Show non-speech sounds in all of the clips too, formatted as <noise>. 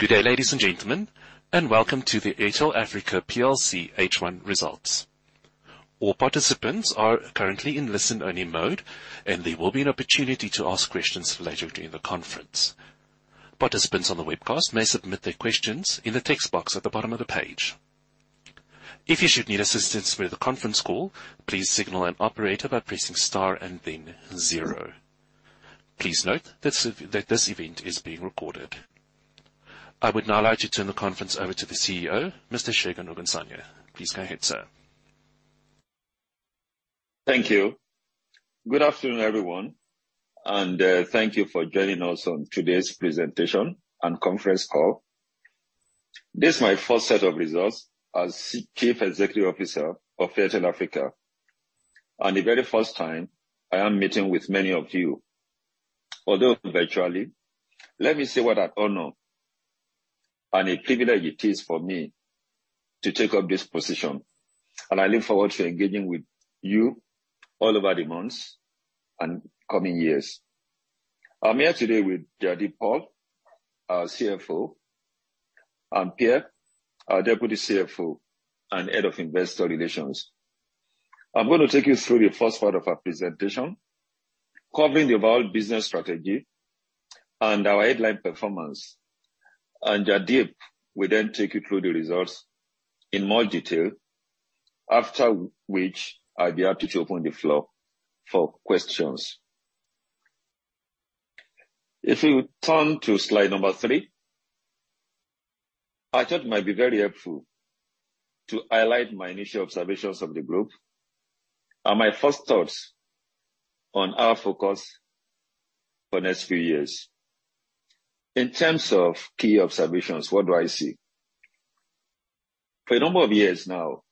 Good day, ladies and gentlemen, and welcome to the Airtel Africa plc H1 results. All participants are currently in listen-only mode, and there will be an opportunity to ask questions later during the conference. Participants on the webcast may submit their questions in the text box at the bottom of the page. If you should need assistance with the conference call, please signal an operator by pressing star and then zero. Please note that that this event is being recorded. I would now like to turn the conference over to the CEO, Mr. Segun Ogunsanya. Please go ahead, sir. Thank you. Good afternoon, everyone, and thank you for joining us on today's presentation and conference call. This is my first set of results as Chief Executive Officer of Airtel Africa, and the very first time I am meeting with many of you. Although virtually, let me say what an honor and a privilege it is for me to take up this position, and I look forward to engaging with you all over the months and coming years. I'm here today with Jaideep Paul, our CFO, and Pier, our Deputy CFO and Head of Investor Relations. I'm gonna take you through the first part of our presentation, covering the overall business strategy and our headline performance. Jaideep will then take you through the results in more detail, after which I'll be happy to open the floor for questions. If we turn to slide 3. I thought it might be very helpful to highlight my initial observations of the group and my first thoughts on our focus for the next few years. In terms of key observations, what do I see? For a number of years now,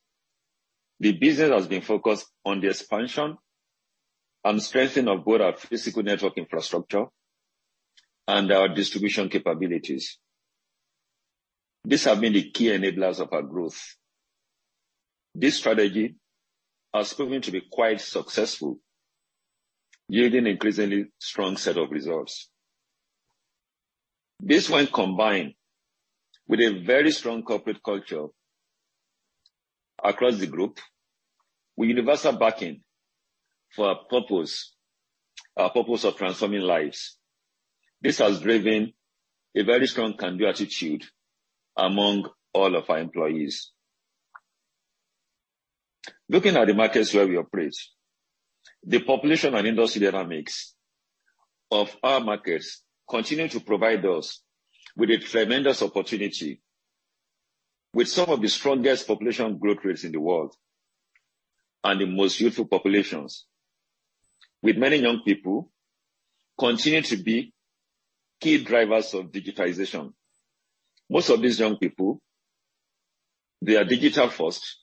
the business has been focused on the expansion and strengthening of both our physical network infrastructure and our distribution capabilities. These have been the key enablers of our growth. This strategy has proven to be quite successful, yielding increasingly strong set of results. This one combined with a very strong corporate culture across the group with universal backing for our purpose, our purpose of transforming lives. This has driven a very strong can-do attitude among all of our employees. Looking at the markets where we operate. The population and industry dynamics of our markets continue to provide us with a tremendous opportunity with some of the strongest population growth rates in the world and the most youthful populations, with many young people continuing to be key drivers of digitization. Most of these young people, they are digital first,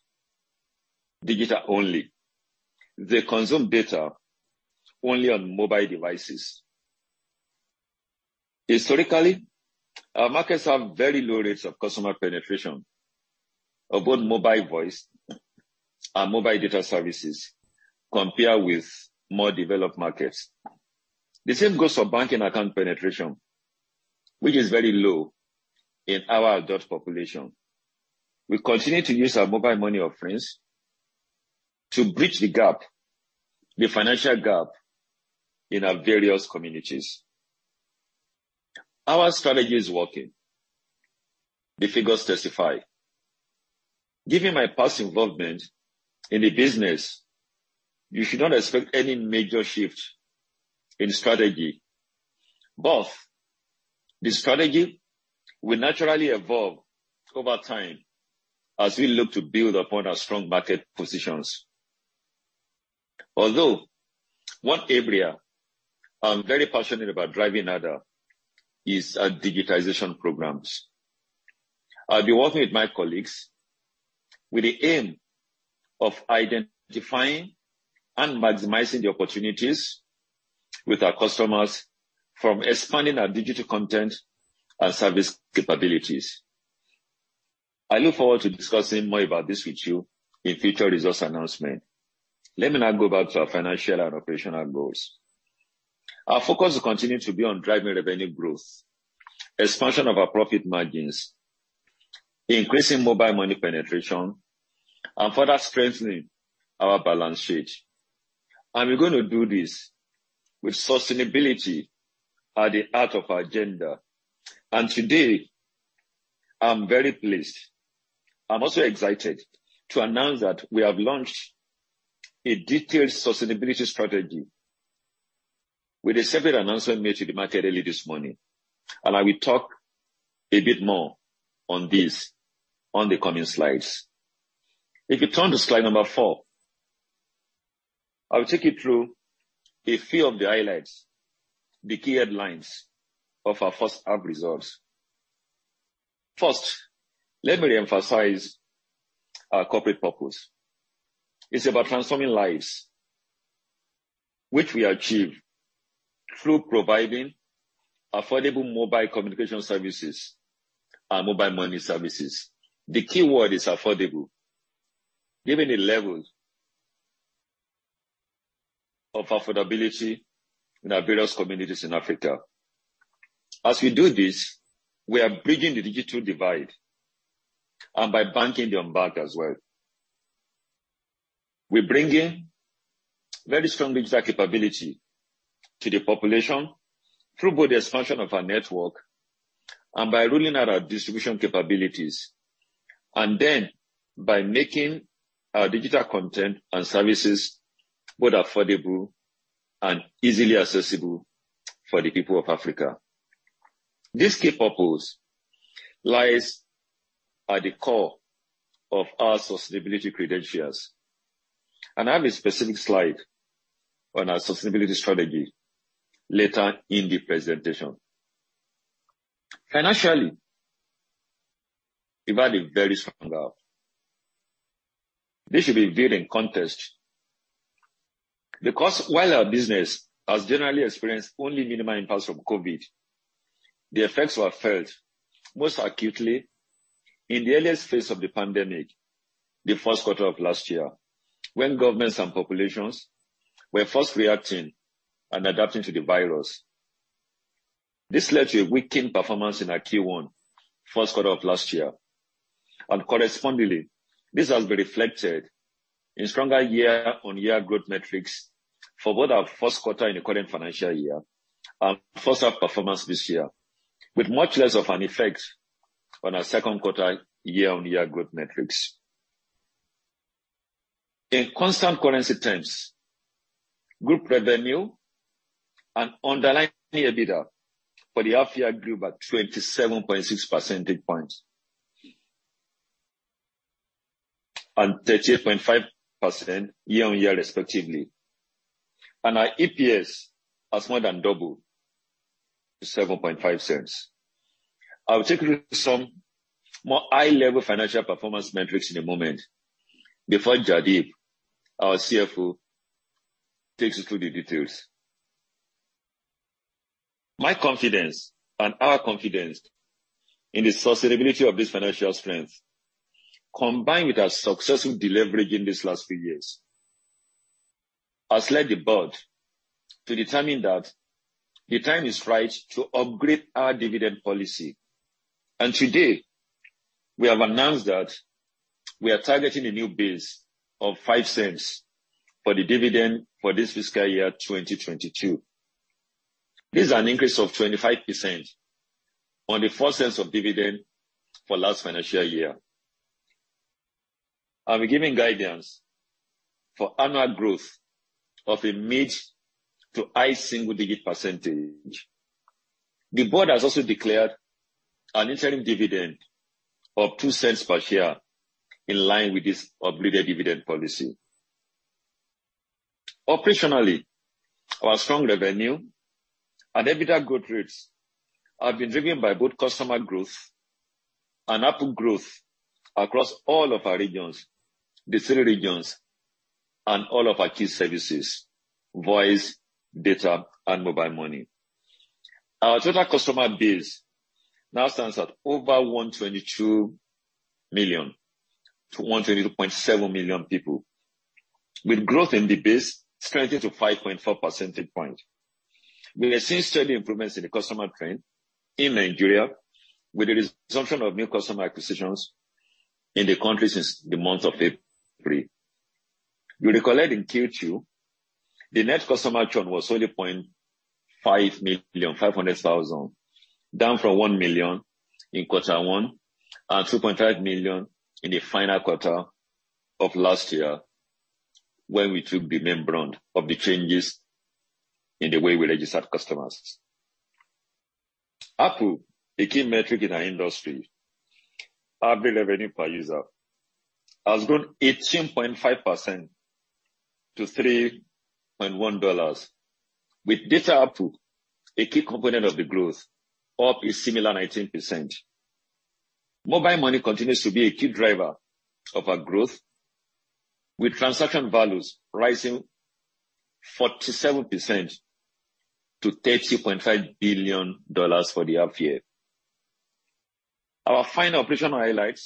digital only. They consume data only on mobile devices. Historically, our markets have very low rates of customer penetration of both mobile voice and mobile data services compared with more developed markets. The same goes for banking account penetration, which is very low in our adult population. We continue to use our mobile money offerings to bridge the gap, the financial gap in our various communities. Our strategy is working. The figures testify. Given my past involvement in the business, you should not expect any major shift in strategy. Both the strategy will naturally evolve over time as we look to build upon our strong market positions. Although one area I'm very passionate about driving harder is our digitization programs. I'll be working with my colleagues with the aim of identifying and maximizing the opportunities with our customers from expanding our digital content and service capabilities. I look forward to discussing more about this with you in future results announcement. Let me now go back to our financial and operational goals. Our focus will continue to be on driving revenue growth, expansion of our profit margins, increasing mobile money penetration, and further strengthening our balance sheet. We're going to do this with sustainability at the heart of our agenda. Today I'm very pleased. I'm also excited to announce that we have launched a detailed sustainability strategy with a separate announcement made to the market early this morning. I will talk a bit more on this on the coming slides. If you turn to slide number four. I will take you through a few of the highlights, the key headlines of our first half results. First, let me reemphasize our corporate purpose. It's about transforming lives, which we achieve through providing affordable mobile communication services and mobile money services. The keyword is affordable, given the levels of affordability in our various communities in Africa. As we do this, we are bridging the digital divide and by banking the unbanked as well. We're bringing very strong digital capability to the population through both the expansion of our network and by rolling out our distribution capabilities, and then by making our digital content and services both affordable and easily accessible for the people of Africa. This key purpose lies at the core of our sustainability credentials. I have a specific slide on our sustainability strategy later in the presentation. Financially, we've had a very strong half. This should be viewed in context because while our business has generally experienced only minimal impacts from COVID, the effects were felt most acutely in the earliest phase of the pandemic, the first quarter of last year, when governments and populations were first reacting and adapting to the virus. This led to a weakened performance in our Q1 first quarter of last year. Correspondingly, this has been reflected in stronger year-on-year growth metrics for both our first quarter in the current financial year and first half performance this year, with much less of an effect on our second quarter year-on-year growth metrics. In constant currency terms, group revenue and underlying EBITDA for the half year grew by 27.6 percentage points and 38.5% year-on-year respectively, and our EPS has more than doubled to $0.075. I'll take you through some more high-level financial performance metrics in a moment before Jaideep, our CFO, takes us through the details. My confidence and our confidence in the sustainability of this financial strength, combined with our successful deleverage in these last few years, has led the board to determine that the time is right to upgrade our dividend policy. Today, we have announced that we are targeting a new base of $0.05 for the dividend for this fiscal year 2022. This is an increase of 25% on the $0.04 dividend for last financial year, and we're giving guidance for annual growth of a mid- to high-single-digit percentage. The board has also declared an interim dividend of $0.02 per share in line with this upgraded dividend policy. Operationally, our strong revenue and EBITDA growth rates have been driven by both customer growth and ARPU growth across all of our regions, the three regions and all of our key services, voice, data, and mobile money. Our total customer base now stands at over 122 million-122.7 million people, with growth in the base strengthening to 5.4 percentage points. We are seeing steady improvements in the customer trend in Nigeria with the resumption of new customer acquisitions in the country since the month of April. You'll recall that in Q2, the net customer churn was only 550,000, down from 1 million in quarter one and 2.5 million in the final quarter of last year when we took the main brunt of the changes in the way we registered customers. ARPU, a key metric in our industry, average revenue per user, has grown 18.5% to $3.1, with data ARPU, a key component of the growth, up a similar 19%. mobile money continues to be a key driver of our growth, with transaction values rising 47% to $30 billion for the half year. Our final operational highlight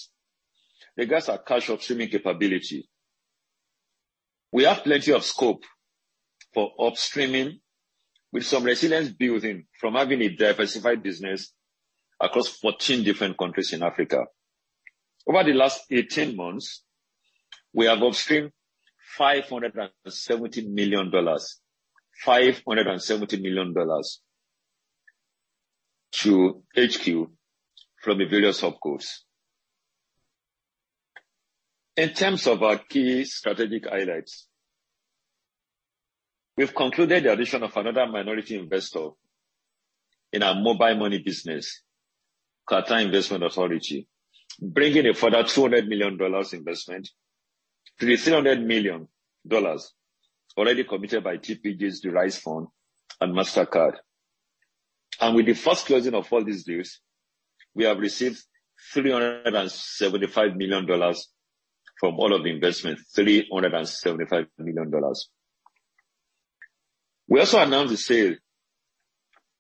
regards our cash upstreaming capability. We have plenty of scope for upstreaming with some resilience built in from having a diversified business across 14 different countries in Africa. Over the last 18 months, we have upstreamed $570 million to HQ from the various subgroups. In terms of our key strategic highlights, we've concluded the addition of another minority investor in our mobile money business, Qatar Investment Authority, bringing a further $200 million investment to the $300 million already committed by TPG's Rise Fund and Mastercard. With the first closing of all these deals, we have received $375 million from all of the investment. We also announced the sale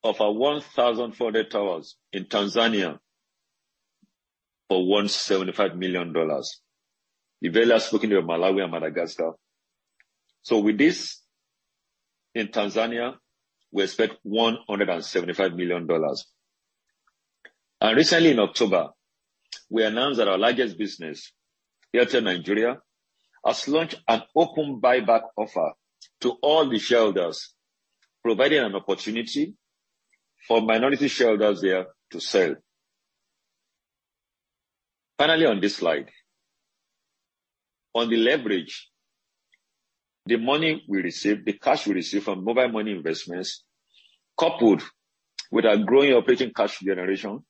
of our 1,400 towers in Tanzania for $175 million. With this, in Tanzania, we expect $175 million. Recently in October, we announced that our largest business, Airtel Nigeria, has launched an open buyback offer to all the shareholders, providing an opportunity for minority shareholders there to sell. Finally, on this slide. On the leverage, the money we received, the cash we received from mobile money investments, coupled with our growing operating cash generation,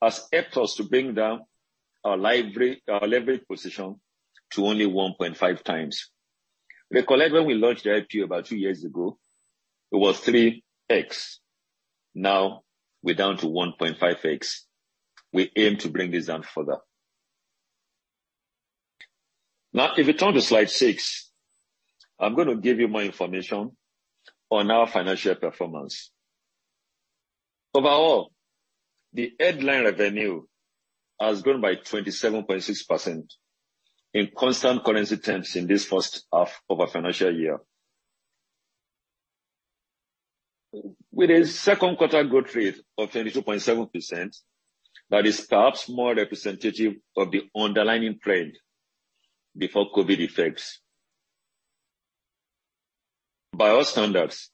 has helped us to bring down our leverage position to only 1.5x. Recollect when we launched the IPO about two years ago, it was 3x. Now we're down to 1.5x. We aim to bring this down further. Now, if you turn to slide six, I'm gonna give you more information on our financial performance. Overall, the headline revenue has grown by 27.6% in constant currency terms in this first half of our financial year. With a second quarter growth rate of 22.7%, that is perhaps more representative of the underlying trend before COVID effects. By all standards,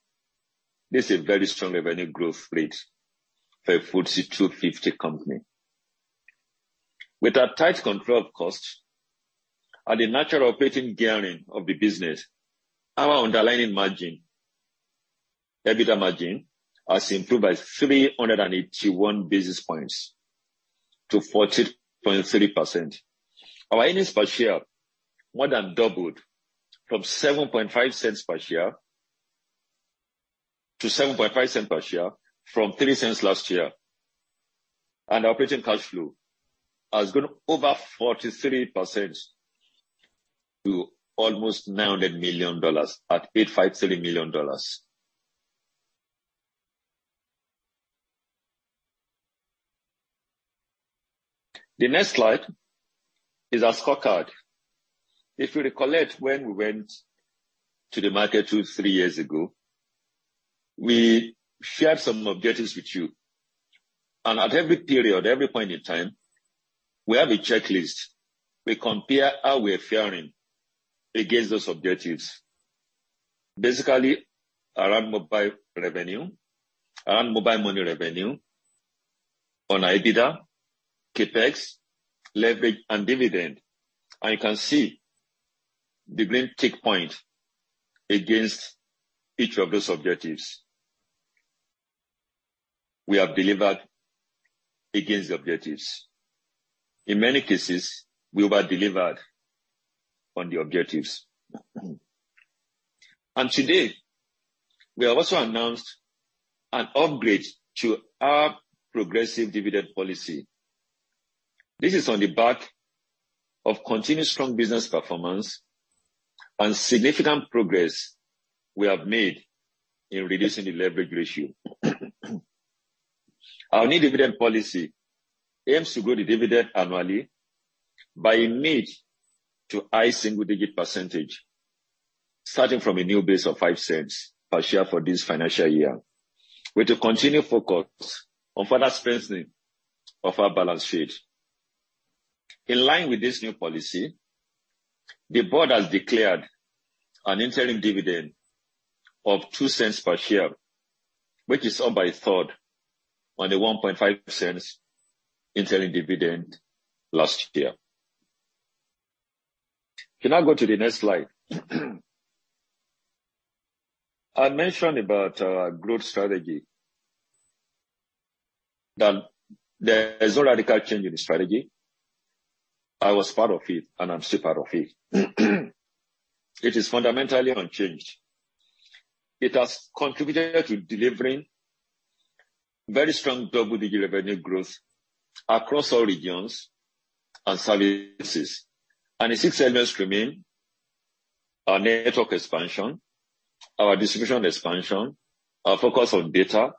this is a very strong revenue growth rate for a FTSE 250 company. With our tight control of costs and the natural operating gearing of the business, our underlying margin, EBITDA margin, has improved by 381 basis points to 14.3%. Our earnings per share more than doubled from $0.03 Last year to 7.5 cents per share. Operating cash flow has grown over 43% to almost $900 million at $857 million. The next slide is our scorecard. If you recollect when we went to the market 2, 3 years ago, we shared some objectives with you. At every period, every point in time, we have a checklist. We compare how we are faring against those objectives. Basically around mobile revenue and mobile money revenue, on EBITDA, CapEx, leverage and dividend. You can see the green tick point against each of those objectives. We have delivered against the objectives. In many cases, we over-delivered on the objectives. Today, we have also announced an upgrade to our progressive dividend policy. This is on the back of continuous strong business performance and significant progress we have made in reducing the leverage ratio. Our new dividend policy aims to grow the dividend annually by a mid- to high-single-digit percentage, starting from a new base of $0.05 per share for this financial year, with a continued focus on further strengthening of our balance sheet. In line with this new policy, the board has declared an interim dividend of $0.02 per share, which is up by a third on the $0.015 interim dividend last year. Can I go to the next slide? I mentioned about our growth strategy, that there is no radical change in the strategy. I was part of it, and I'm still part of it. It is fundamentally unchanged. It has contributed to delivering very strong double-digit revenue growth across all regions and services. The six elements remain our network expansion, our distribution expansion, our focus on data,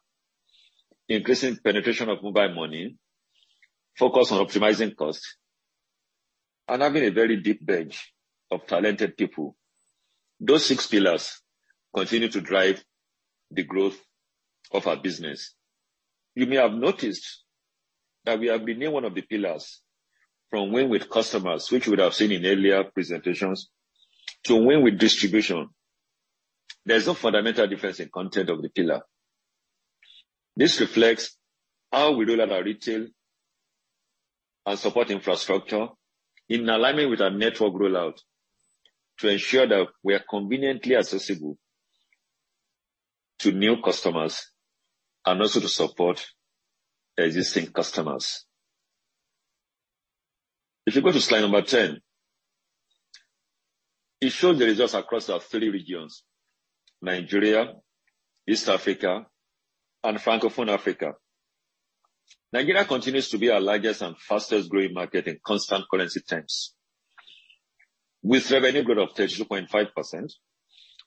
increasing penetration of mobile money, focus on optimizing costs, and having a very deep bench of talented people. Those six pillars continue to drive the growth of our business. You may have noticed that we have renamed one of the pillars from win with customers, which you would have seen in earlier presentations, to win with distribution. There's no fundamental difference in content of the pillar. This reflects how we roll out our retail and support infrastructure in alignment with our network rollout to ensure that we are conveniently accessible to new customers and also to support existing customers. If you go to slide 10. It shows the results across our three regions, Nigeria, East Africa, and Francophone Africa. Nigeria continues to be our largest and fastest growing market in constant currency terms. With revenue growth of 32.5%,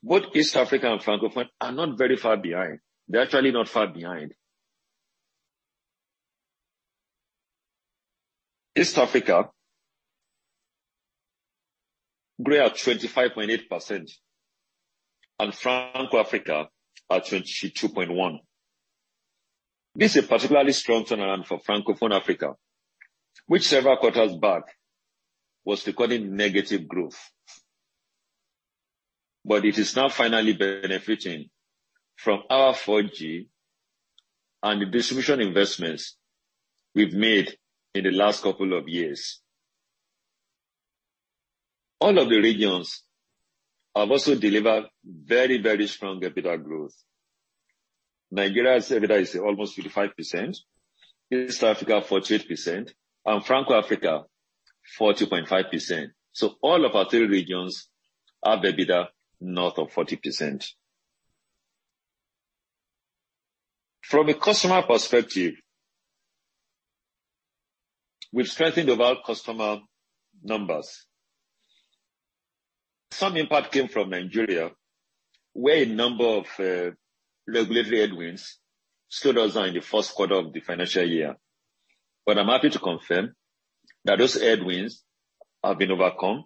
both East Africa and Francophone are not very far behind. They're actually not far behind. East Africa grew at 25.8% and Francophone Africa at 22.1%. This is a particularly strong turnaround for Francophone Africa, which several quarters back was recording negative growth. It is now finally benefiting from our 4G and the distribution investments we've made in the last couple of years. All of the regions have also delivered very, very strong EBITDA growth. Nigeria's EBITDA is almost 55%, East Africa 48%, and Francophone Africa 40.5%. All of our three regions have EBITDA north of 40%. From a customer perspective, we've strengthened our customer numbers. Some impact came from Nigeria, where a number of regulatory headwinds stood us down in the first quarter of the financial year. I'm happy to confirm that those headwinds have been overcome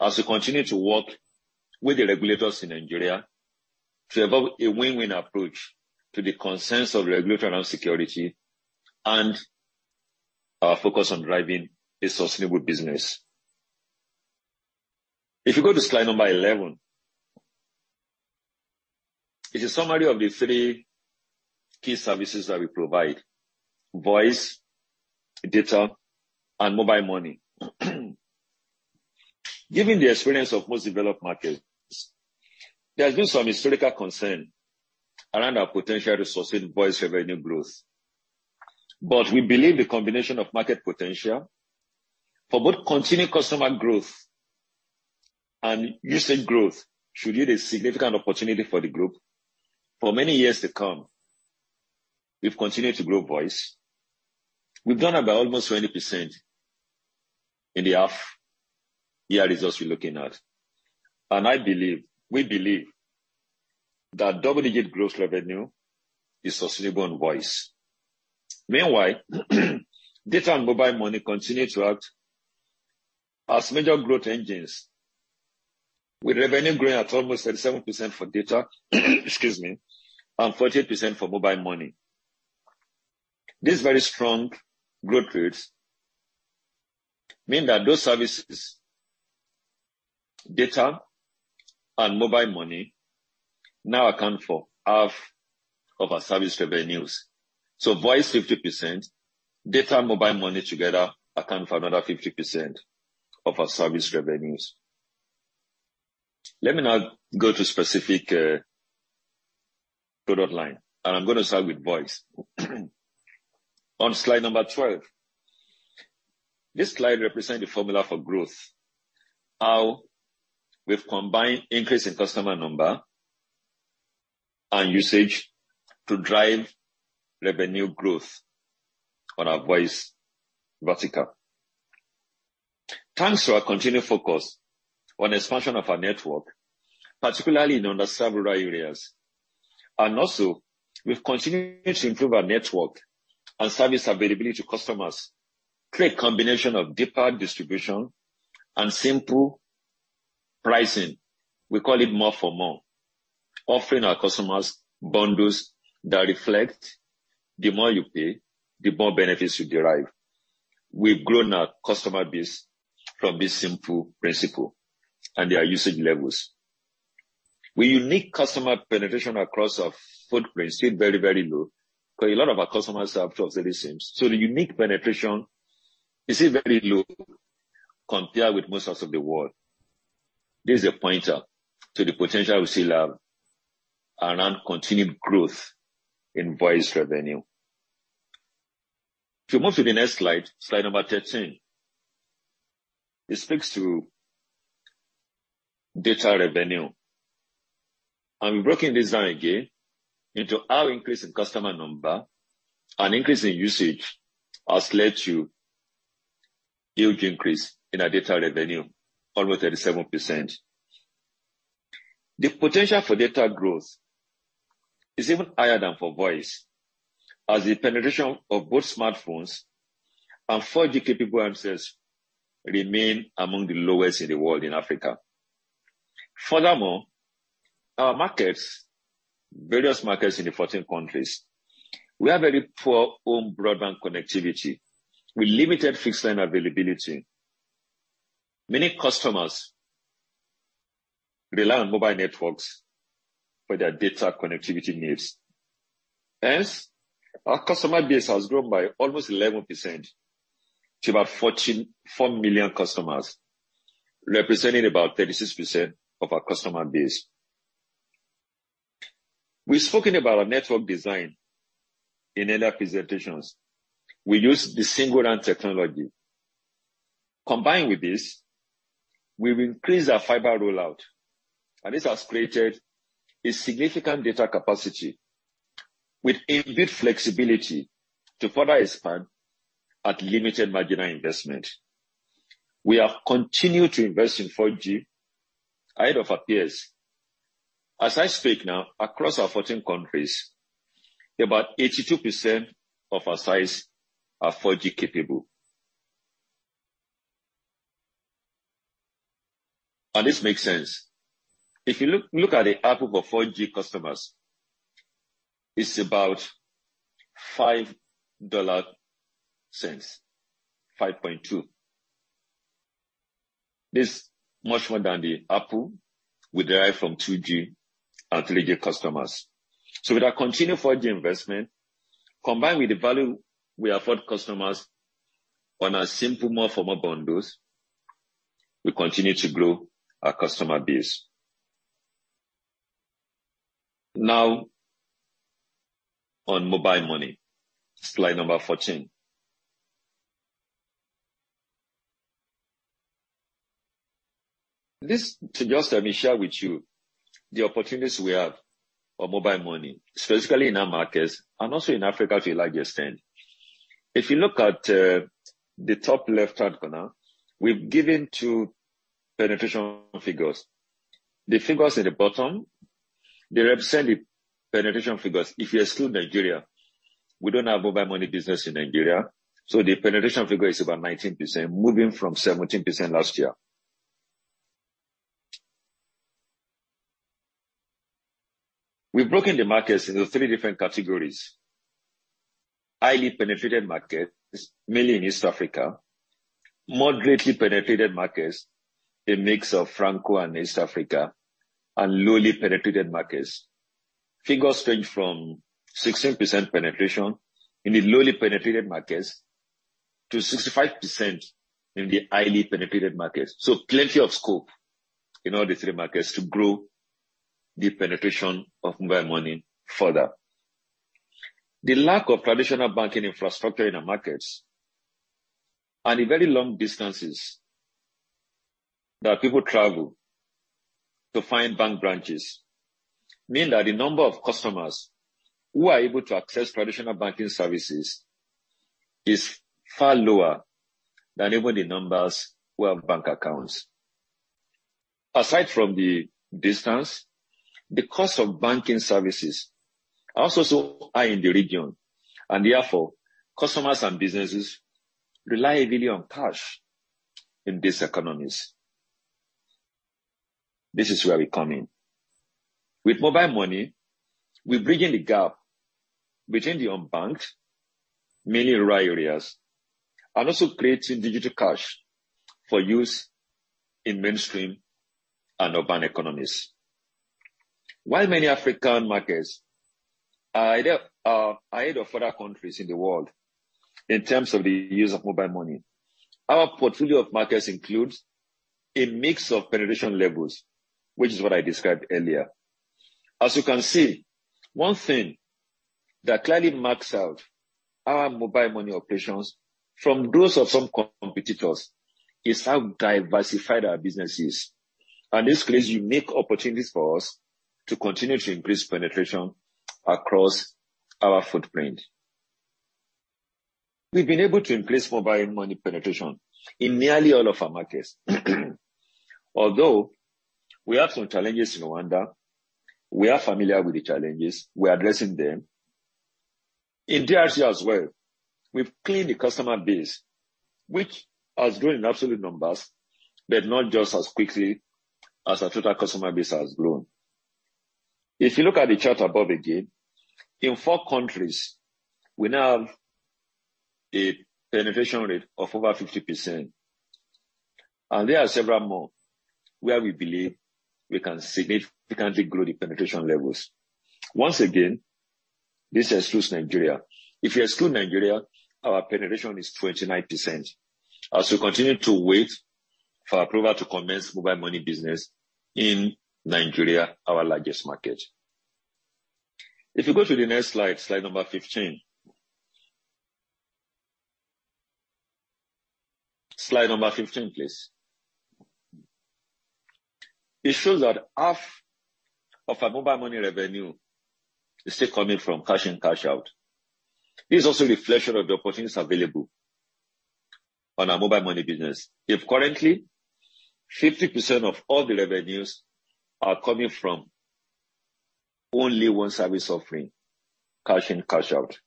as we continue to work with the regulators in Nigeria to evolve a win-win approach to the concerns of regulatory and security and our focus on driving a sustainable business. If you go to slide number 11, it's a summary of the three key services that we provide voice, data, and mobile money. Given the experience of most developed markets, there's been some historical concern around our potential to sustain voice revenue growth. We believe the combination of market potential for both continued customer growth and usage growth should yield a significant opportunity for the group for many years to come. We've continued to grow voice. We've done about almost 20% in the half year results we're looking at. We believe that double-digit growth revenue is sustainable in voice. Meanwhile, data and mobile money continue to act as major growth engines, with revenue growing at almost 37% for data, excuse me, and 14% for mobile money. These very strong growth rates mean that those services, data and mobile money, now account for half of our service revenues. Voice 50%, data and mobile money together account for another 50% of our service revenues. Let me now go to specific product line, and I'm gonna start with voice. On slide number 12, this slide represents the formula for growth, how we've combined increase in customer number and usage to drive revenue growth on our voice vertical. Thanks to our continued focus on expansion of our network, particularly in underserved rural areas, and also we've continued to improve our network and service availability to customers through a combination of deeper distribution and simple pricing. We call it more for more, offering our customers bundles that reflect the more you pay, the more benefits you derive. We've grown our customer base from this simple principle and their usage levels. The unique customer penetration across our footprint is still very, very low. A lot of our customers have just SIMs. So the unique penetration is still very low compared with most parts of the world. This is a pointer to the potential we still have around continued growth in voice revenue. If you move to the next slide number 13, it speaks to data revenue. We've broken this down again into how increase in customer number and increase in usage has led to huge increase in our data revenue, almost 37%. The potential for data growth is even higher than for voice, as the penetration of both smartphones and 4G capable handsets remain among the lowest in the world in Africa. Furthermore, our markets, various markets in the 14 countries, we have very poor home broadband connectivity with limited fixed line availability. Many customers rely on mobile networks for their data connectivity needs. Hence, our customer base has grown by almost 11% to about 14.4 million customers, representing about 36% of our customer base. We've spoken about our network design in earlier presentations. We use the SingleRAN technology. Combined with this, we've increased our fiber rollout, and this has created a significant data capacity with in-built flexibility to further expand at limited marginal investment. We have continued to invest in 4G ahead of our peers. As I speak now, across our 14 countries, about 82% of our sites are 4G capable. This makes sense. If you look at the ARPU of our 4G customers, it's about $5.2. This much more than the ARPU we derive from 2G and 3G customers. With our continued 4G investment, combined with the value we afford customers on our simple, more formal bundles, we continue to grow our customer base. Now on mobile money. Slide number 14. This is to just let me share with you the opportunities we have for mobile money, specifically in our markets and also in Africa if you like this then. If you look at the top left-hand corner, we've given two penetration figures. The figures at the bottom, they represent the penetration figures if you exclude Nigeria. We don't have mobile money business in Nigeria, so the penetration figure is about 19%, moving from 17% last year. We've broken the markets into three different categories. Highly penetrated market is mainly in East Africa, moderately penetrated markets, a mix of Franc and East Africa, and lowly penetrated markets. Figures range from 16% penetration in the lowly penetrated markets to 65% in the highly penetrated markets. Plenty of scope in all the three markets to grow the penetration of mobile money further. The lack of traditional banking infrastructure in our markets and the very long distances that people travel to find bank branches mean that the number of customers who are able to access traditional banking services is far lower than even the numbers who have bank accounts. Aside from the distance, the cost of banking services are also so high in the region and therefore customers and businesses rely heavily on cash in these economies. This is where we come in. With mobile money, we bridge in the gap between the unbanked, mainly in rural areas, and also creating digital cash for use in mainstream and urban economies. While many African markets are ahead of other countries in the world in terms of the use of mobile money, our portfolio of markets includes a mix of penetration levels, which is what I described earlier. As you can see, one thing that clearly marks out our mobile money operations from those of some competitors is how diversified our business is, and this creates unique opportunities for us to continue to increase penetration across our footprint. We've been able to increase mobile money penetration in nearly all of our markets, although we have some challenges in Rwanda. We are familiar with the challenges. We are addressing them. In DRC as well, we've cleaned the customer base, which has grown in absolute numbers, but not just as quickly as our total customer base has grown. If you look at the chart above again, in 4 countries, we now have a penetration rate of over 50%, and there are several more where we believe we can significantly grow the penetration levels. Once again, this excludes Nigeria. If you exclude Nigeria, our penetration is 29% as we continue to wait for approval to commence mobile money business in Nigeria, our largest market. If you go to the next slide number 15. Slide number 15, please. It shows that half of our mobile money revenue is still coming from cash in, cash out. This is also a reflection of the opportunities available on our mobile money business, if currently 50% of all the revenues are coming from only one service offering, cash in, cash out.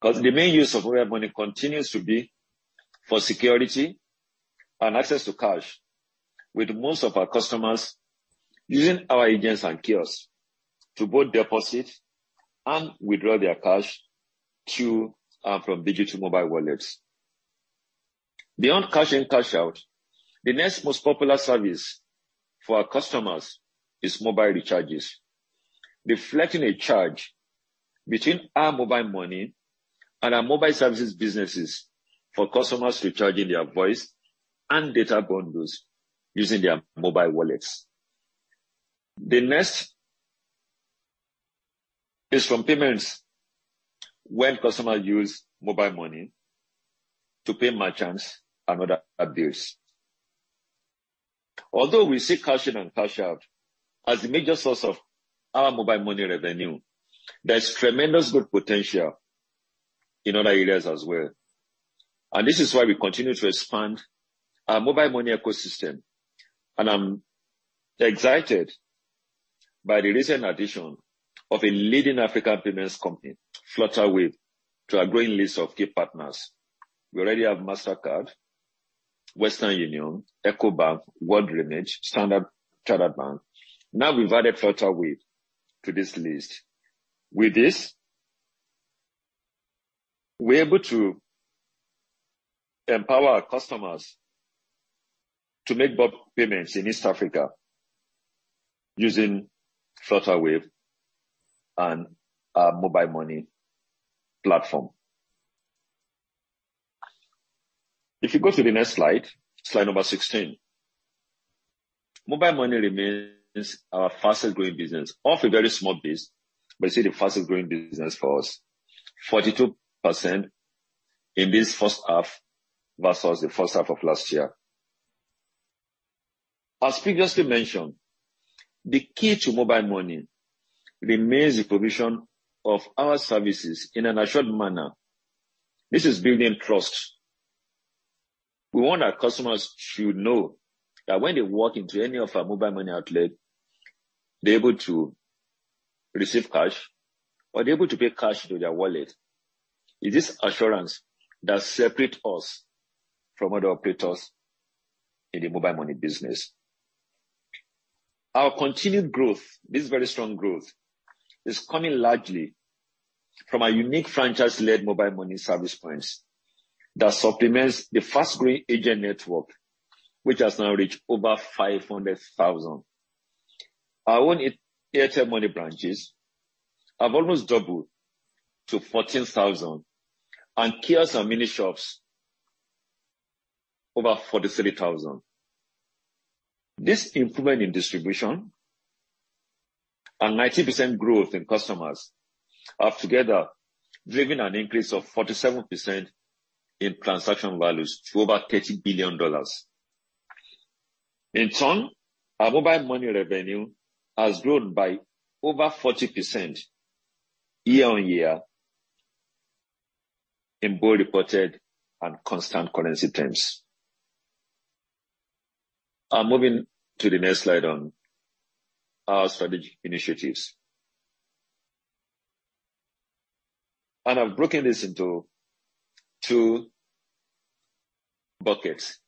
Because the main use of mobile money continues to be for security and access to cash, with most of our customers using our agents and kiosks to both deposit and withdraw their cash to and from digital mobile wallets. Beyond cash in, cash out, the next most popular service for our customers is mobile recharges, reflecting a charge between our mobile money and our mobile services businesses for customers recharging their voice and data bundles using their mobile wallets. The next is from payments when customers use mobile money to pay merchants and other bills. Although we see cash in and cash out as the major source of our mobile money revenue, there's tremendous growth potential in other areas as well. This is why we continue to expand our mobile money ecosystem. I'm excited by the recent addition of a leading African payments company, Flutterwave, to our growing list of key partners. We already have Mastercard, Western Union, Ecobank, WorldRemit, Standard Chartered Bank. Now we've added Flutterwave to this list. With this, we're able to empower our customers to make mobile payments in East Africa using Flutterwave and our mobile money platform. If you go to the next slide number 16. mobile money remains our fastest growing business. Off a very small base, but still the fastest growing business for us. 42% in this first half versus the first half of last year. As previously mentioned, the key to mobile money remains the provision of our services in an assured manner. This is building trust. We want our customers to know that when they walk into any of our mobile money outlet, they're able to receive cash or they're able to pay cash to their wallet. It is assurance that separate us from other operators in the mobile money business. Our continued growth, this very strong growth, is coming largely from our unique franchise-led mobile money service points that supplements the fast-growing agent network, which has now reached over 500,000. Our own Airtel Money branches have almost doubled to 14,000 and kiosks and mini shops over 43,000. This improvement in distribution and 90% growth in customers have together driven an increase of 47% in transaction values to over $30 billion. In turn, our mobile money revenue has grown by over 40% year-on-year in both reported and constant currency terms. I'm moving to the next slide on our strategic initiatives. I've broken this into two buckets.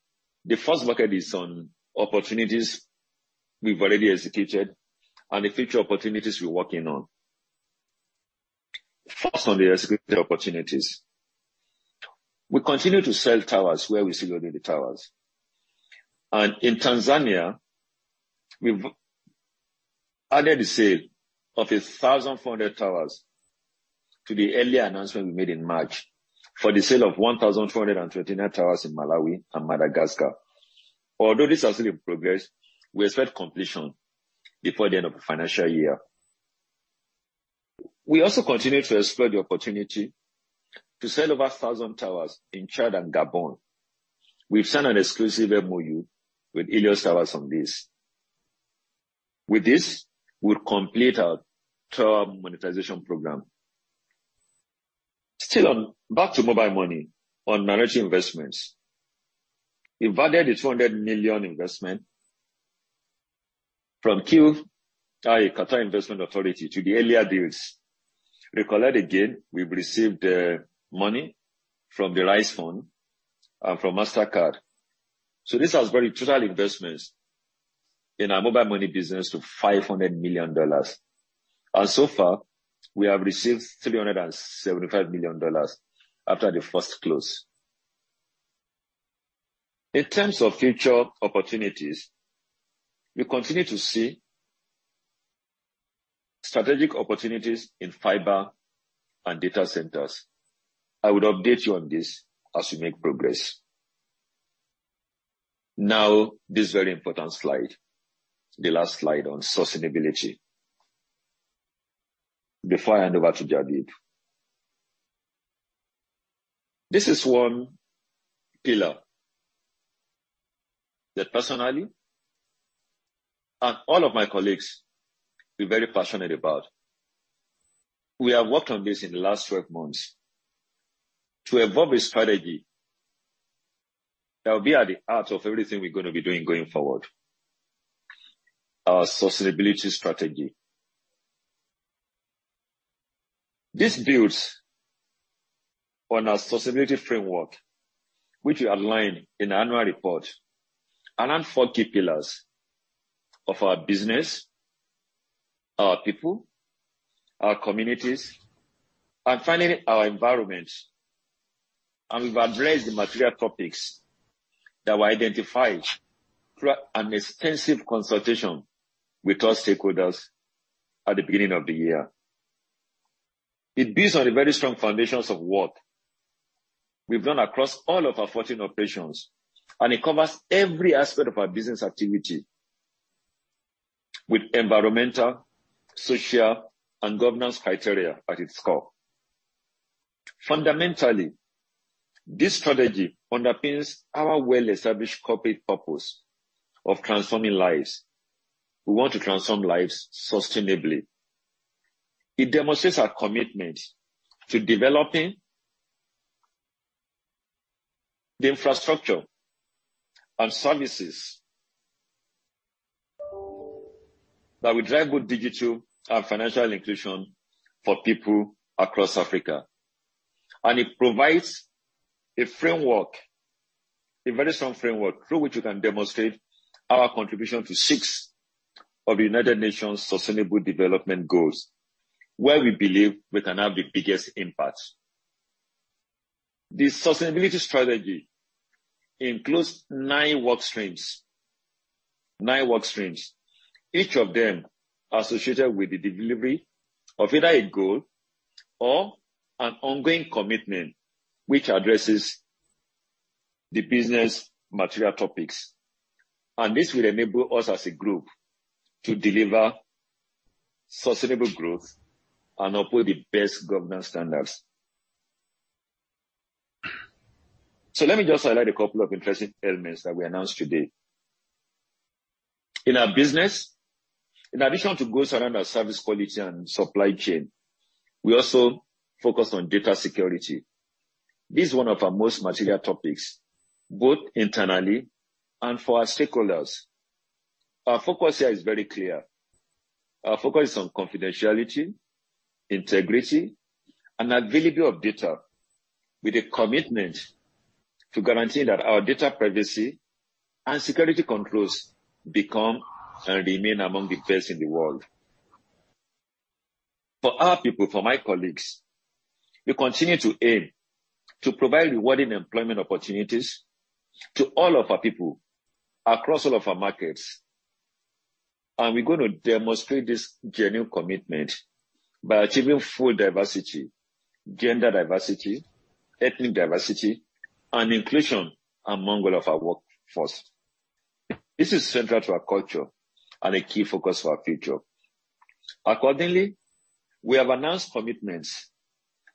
The first bucket is on opportunities we've already executed and the future opportunities we're working on. First on the executed opportunities. We continue to sell towers where we still own the towers. In Tanzania, we've added the sale of 1,400 towers to the earlier announcement we made in March for the sale of 1,429 towers in Malawi and Madagascar. Although this is still in progress, we expect completion before the end of the financial year. We also continue to explore the opportunity to sell over 1,000 towers in Chad and Gabon. We've signed an exclusive MoU with Iliad Towers on this. With this, we'll complete our tower monetization program. Back to mobile money on managing investments. We've added the $200 million investment from QIA, Qatar Investment Authority, to the earlier deals. Recall that again, we've received money from The Rise Fund and from Mastercard. This has brought total investments in our mobile money business to $500 million. So far, we have received $375 million after the first close. In terms of future opportunities, we continue to see strategic opportunities in fiber and data centers. I would update you on this as we make progress. Now, this very important slide, the last slide on sustainability. Before I hand over to Jaideep Paul. This is one pillar that personally and all of my colleagues, we're very passionate about. We have worked on this in the last 12 months to evolve a strategy that will be at the heart of everything we're gonna be doing going forward. Our sustainability strategy. This builds on our sustainability framework, which we outlined in the annual report, around four key pillars of our business, our people, our communities, and finally, our environment. We've addressed the material topics that were identified through an extensive consultation with our stakeholders at the beginning of the year. It builds on the very strong foundations of work we've done across all of our 14 operations, and it covers every aspect of our business activity. With environmental, social, and governance criteria at its core. Fundamentally, this strategy underpins our well-established corporate purpose of transforming lives. We want to transform lives sustainably. It demonstrates our commitment to developing the infrastructure and services that will drive good digital and financial inclusion for people across Africa. It provides a framework, a very strong framework, through which we can demonstrate our contribution to six of the United Nations' Sustainable Development Goals, where we believe we can have the biggest impact. The sustainability strategy includes nine work streams. Nine work streams, each of them associated with the delivery of either a goal or an ongoing commitment which addresses the business material topics. This will enable us as a group to deliver sustainable growth and uphold the best governance standards. Let me just highlight a couple of interesting elements that we announced today. In our business, in addition to goals around our service quality and supply chain, we also focused on data security. This is one of our most material topics, both internally and for our stakeholders. Our focus here is very clear. Our focus is on confidentiality, integrity, and availability of data with a commitment to guarantee that our data privacy and security controls become and remain among the best in the world. For our people, for my colleagues, we continue to aim to provide rewarding employment opportunities to all of our people across all of our markets. We're going to demonstrate this genuine commitment by achieving full diversity, gender diversity, ethnic diversity, and inclusion among all of our workforce. This is central to our culture and a key focus for our future. Accordingly, we have announced commitments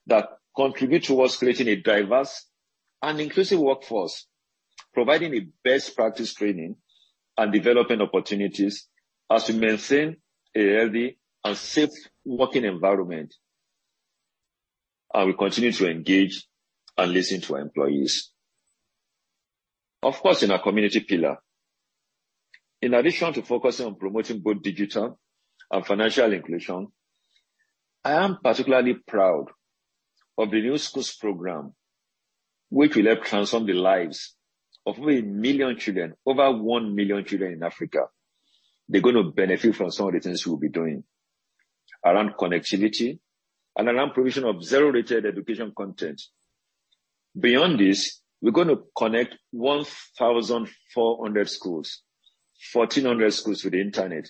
that contribute towards creating a diverse and inclusive workforce, providing a best practice training and development opportunities as we maintain a healthy and safe working environment. We continue to engage and listen to our employees. Of course, in our community pillar, in addition to focusing on promoting both digital and financial inclusion, I am particularly proud of the New Schools program, which will help transform the lives of over 1 million children in Africa. They are going to benefit from some of the things we will be doing around connectivity and around provision of zero-rated education content. Beyond this, we are going to connect 1,400 schools to the internet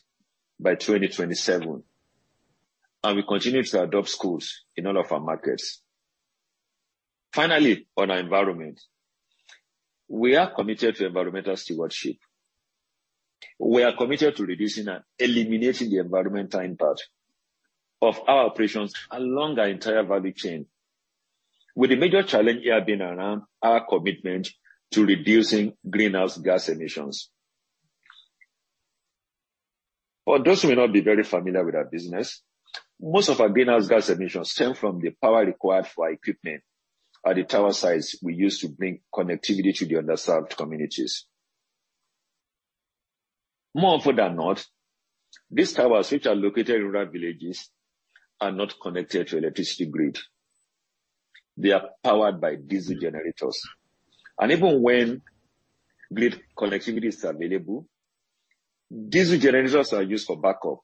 by 2027, and we continue to adopt schools in all of our markets. Finally, on our environment, we are committed to environmental stewardship. We are committed to reducing and eliminating the environmental impact of our operations along our entire value chain. With the major challenge here being around our commitment to reducing greenhouse gas emissions. For those who may not be very familiar with our business, most of our greenhouse gas emissions stem from the power required for equipment at the tower sites we use to bring connectivity to the underserved communities. More often than not, these towers which are located in rural villages are not connected to electricity grid. They are powered by diesel generators. Even when grid connectivity is available, diesel generators are used for backup.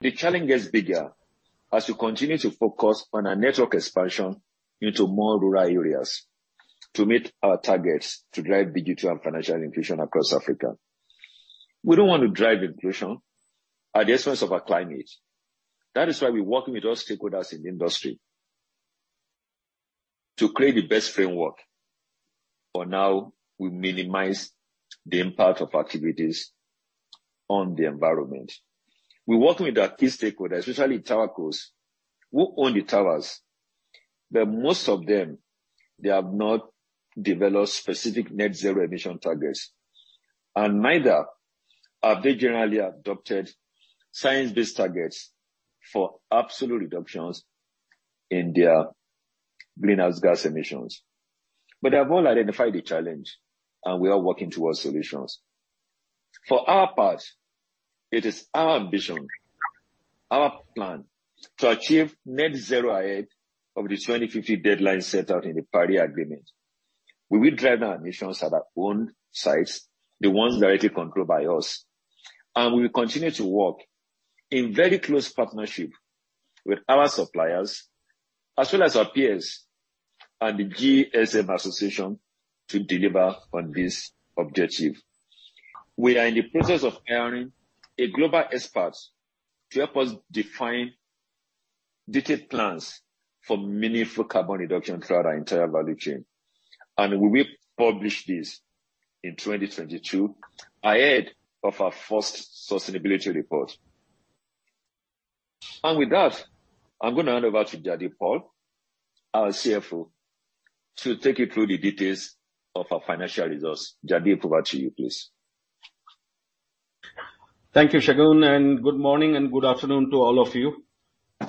The challenge gets bigger as we continue to focus on our network expansion into more rural areas to meet our targets to drive digital and financial inclusion across Africa. We don't want to drive inclusion at the expense of our climate. That is why we're working with our stakeholders in the industry to create the best framework for how we minimize the impact of our activities on the environment. We're working with our key stakeholders, especially towercos, who own the towers, but most of them, they have not developed specific net zero emission targets, and neither have they generally adopted science-based targets for absolute reductions in their greenhouse gas emissions. They have all identified the challenge, and we are working towards solutions. For our part, it is our ambition, our plan, to achieve net zero ahead of the 2050 deadline set out in the Paris Agreement. We will drive down emissions at our own sites, the ones directly controlled by us, and we will continue to work in very close partnership with our suppliers, as well as our peers and the GSM Association to deliver on this objective. We are in the process of hiring a global expert to help us define detailed plans for meaningful carbon reduction throughout our entire value chain. We will publish this in 2022 ahead of our first sustainability report. With that, I'm gonna hand over to Jaideep Paul, our CFO, to take you through the details of our financial results. Jaideep, over to you, please. Thank you, Segun, and good morning and good afternoon to all of you.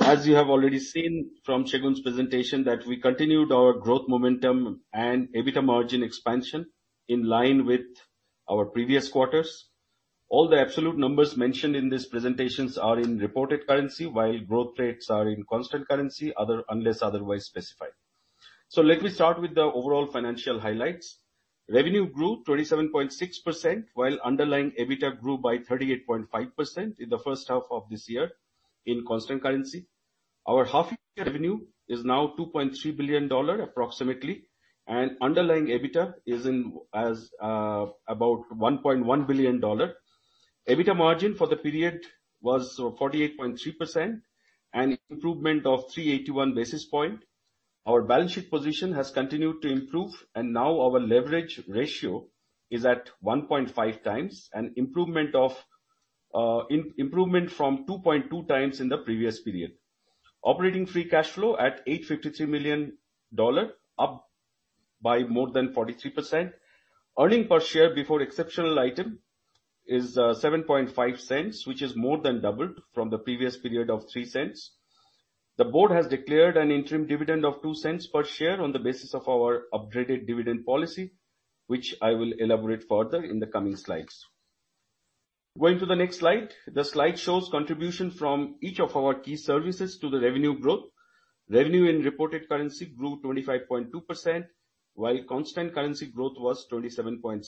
As you have already seen from Segun's presentation, that we continued our growth momentum and EBITDA margin expansion in line with our previous quarters. All the absolute numbers mentioned in these presentations are in reported currency, while growth rates are in constant currency other unless otherwise specified. Let me start with the overall financial highlights. Revenue grew 27.6%, while underlying EBITDA grew by 38.5% in the first half of this year in constant currency. Our half year revenue is now $2.3 billion approximately, and underlying EBITDA is in, as, about $1.1 billion. EBITDA margin for the period was 48.3%, an improvement of 381 basis point. Our balance sheet position has continued to improve. Now our leverage ratio is at 1.5x, an improvement of improvement from 2.2x in the previous period. Operating free cash flow at $853 million, up by more than 43%. Earnings per share before exceptional item is $0.075, which is more than double from the previous period of $0.03. The board has declared an interim dividend of 2 cents per share on the basis of our upgraded dividend policy, which I will elaborate further in the coming slides. Going to the next slide. The slide shows contribution from each of our key services to the revenue growth. Revenue in reported currency grew 25.2%, while constant currency growth was 27.6%.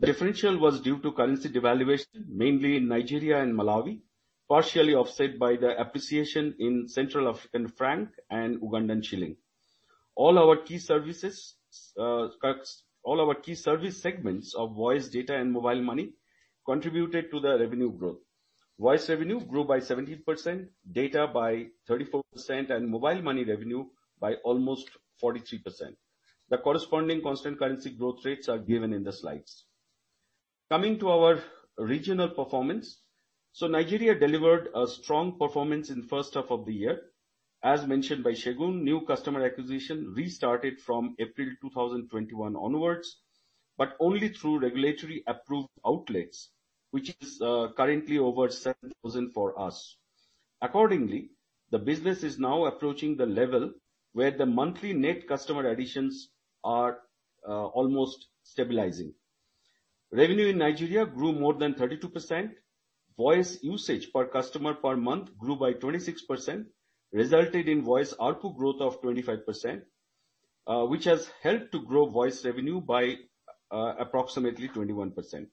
The differential was due to currency devaluation, mainly in Nigeria and Malawi, partially offset by the appreciation in Central African franc and Ugandan shilling. All our key service segments of voice, data and mobile money contributed to the revenue growth. Voice revenue grew by 17%, data by 34%, and mobile money revenue by almost 43%. The corresponding constant currency growth rates are given in the slides. Coming to our regional performance. Nigeria delivered a strong performance in first half of the year. As mentioned by Segun, new customer acquisition restarted from April 2021 onwards, but only through regulatory approved outlets, which is currently over 7,000 for us. Accordingly, the business is now approaching the level where the monthly net customer additions are almost stabilizing. Revenue in Nigeria grew more than 32%. Voice usage per customer per month grew by 26%, resulted in voice ARPU growth of 25%, which has helped to grow voice revenue by, approximately 21%.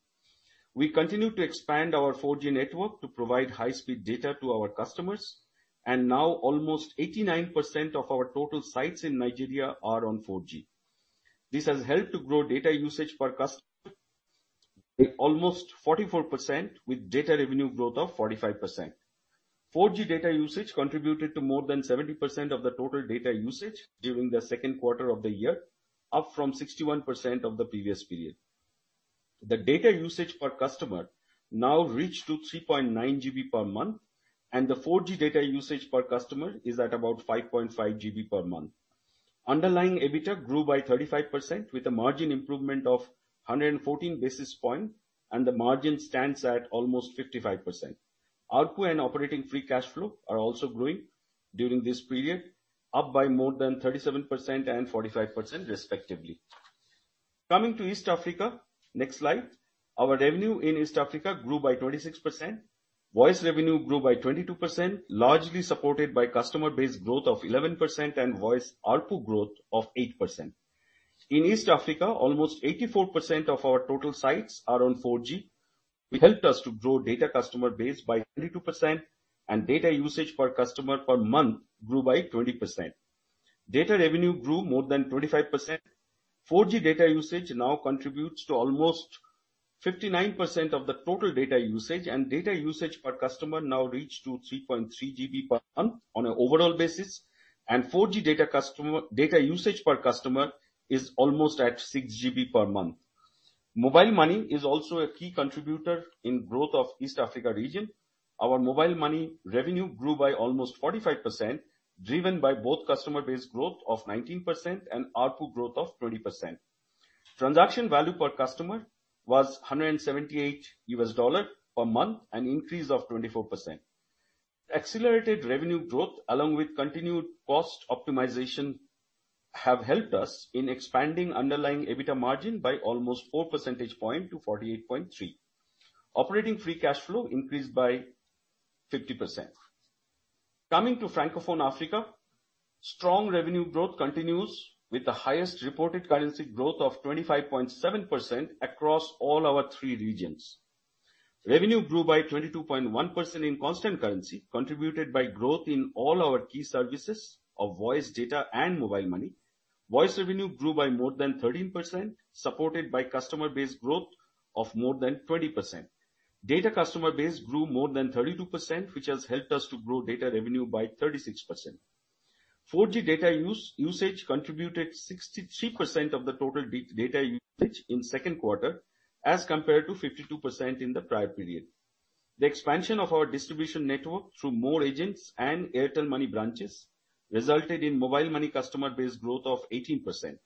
We continue to expand our 4G network to provide high speed data to our customers, and now almost 89% of our total sites in Nigeria are on 4G. This has helped to grow data usage per customer by almost 44% with data revenue growth of 45%. 4G data usage contributed to more than 70% of the total data usage during the second quarter of the year, up from 61% of the previous period. The data usage per customer now reached to 3.9 GB per month, and the 4G data usage per customer is at about 5.5 GB per month. Underlying EBITDA grew by 35% with a margin improvement of 114 basis points, and the margin stands at almost 55%. ARPU and operating free cash flow are also growing during this period, up by more than 37% and 45% respectively. Coming to East Africa. Next slide. Our revenue in East Africa grew by 26%. Voice revenue grew by 22%, largely supported by customer base growth of 11% and voice ARPU growth of 8%. In East Africa, almost 84% of our total sites are on 4G. It helped us to grow data customer base by 22%, and data usage per customer per month grew by 20%. Data revenue grew more than 25%. 4G data usage now contributes to almost 59% of the total data usage, and data usage per customer now reached to 3.3 GB per month on an overall basis. 4G data usage per customer is almost at 6 GB per month. mobile money is also a key contributor in growth of East Africa region. Our mobile money revenue grew by almost 45%, driven by both customer base growth of 19% and ARPU growth of 20%. Transaction value per customer was $178 per month, an increase of 24%. Accelerated revenue growth, along with continued cost optimization, have helped us in expanding underlying EBITDA margin by almost 4 percentage point to 48.3. Operating free cash flow increased by 50%. Coming to Francophone Africa. Strong revenue growth continues with the highest reported currency growth of 25.7% across all our three regions. Revenue grew by 22.1% in constant currency, contributed by growth in all our key services of voice, data and mobile money. Voice revenue grew by more than 13%, supported by customer base growth of more than 20%. Data customer base grew more than 32%, which has helped us to grow data revenue by 36%. 4G data usage contributed 63% of the total data usage in second quarter as compared to 52% in the prior period. The expansion of our distribution network through more agents and Airtel Money branches resulted in mobile money customer base growth of 18%.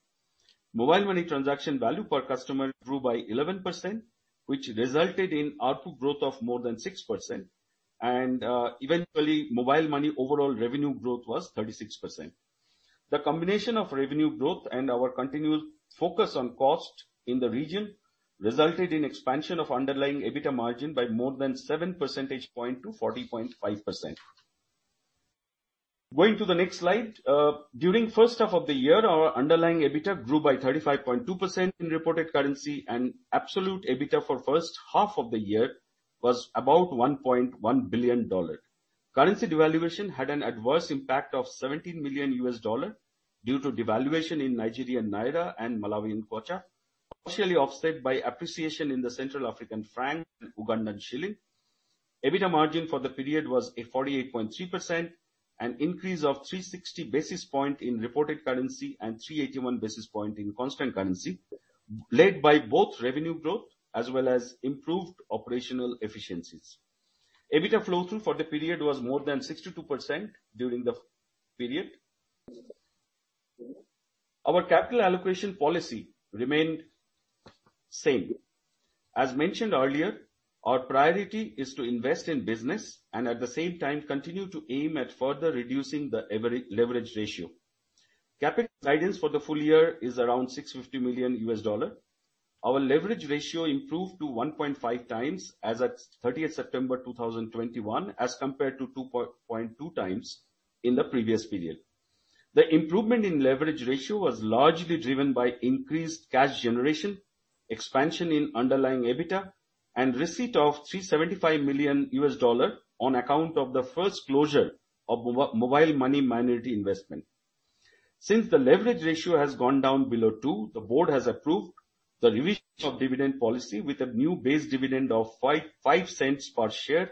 mobile money transaction value per customer grew by 11%, which resulted in ARPU growth of more than 6% and eventually mobile money overall revenue growth was 36%. The combination of revenue growth and our continual focus on cost in the region resulted in expansion of underlying EBITDA margin by more than 7 percentage points to 40.5%. Going to the next slide. During first half of the year, our underlying EBITDA grew by 35.2% in reported currency and absolute EBITDA for first half of the year was about $1.1 billion. Currency devaluation had an adverse impact of $17 million due to devaluation in Nigerian naira and Malawian kwacha, partially offset by appreciation in the Central African franc and Ugandan shilling. EBITDA margin for the period was 48.3%, an increase of 360 basis points in reported currency and 381 basis points in constant currency, led by both revenue growth as well as improved operational efficiencies. EBITDA flow-through for the period was more than 62% during the period. Our capital allocation policy remained same. As mentioned earlier, our priority is to invest in business and at the same time continue to aim at further reducing the overall leverage ratio. Capital guidance for the full year is around $650 million. Our leverage ratio improved to 1.5x as at 30 September 2021 as compared to 2.2 times in the previous period. The improvement in leverage ratio was largely driven by increased cash generation, expansion in underlying EBITDA, and receipt of $375 million on account of the first closure of mobile money minority investment. Since the leverage ratio has gone down below 2, the board has approved the revision of dividend policy with a new base dividend of $0.05 per share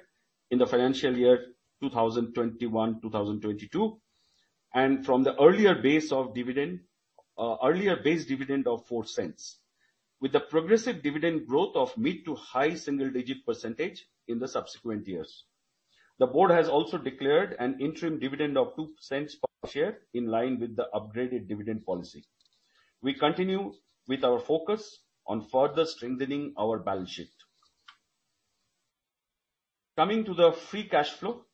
in the financial year 2021, 2022. From the earlier base dividend of $0.04. With a progressive dividend growth of mid- to high-single-digit percentage in the subsequent years. The board has also declared an interim dividend of $0.02 per share in line with the upgraded dividend policy. We continue with our focus on further strengthening our balance sheet. Coming to the free cash flow.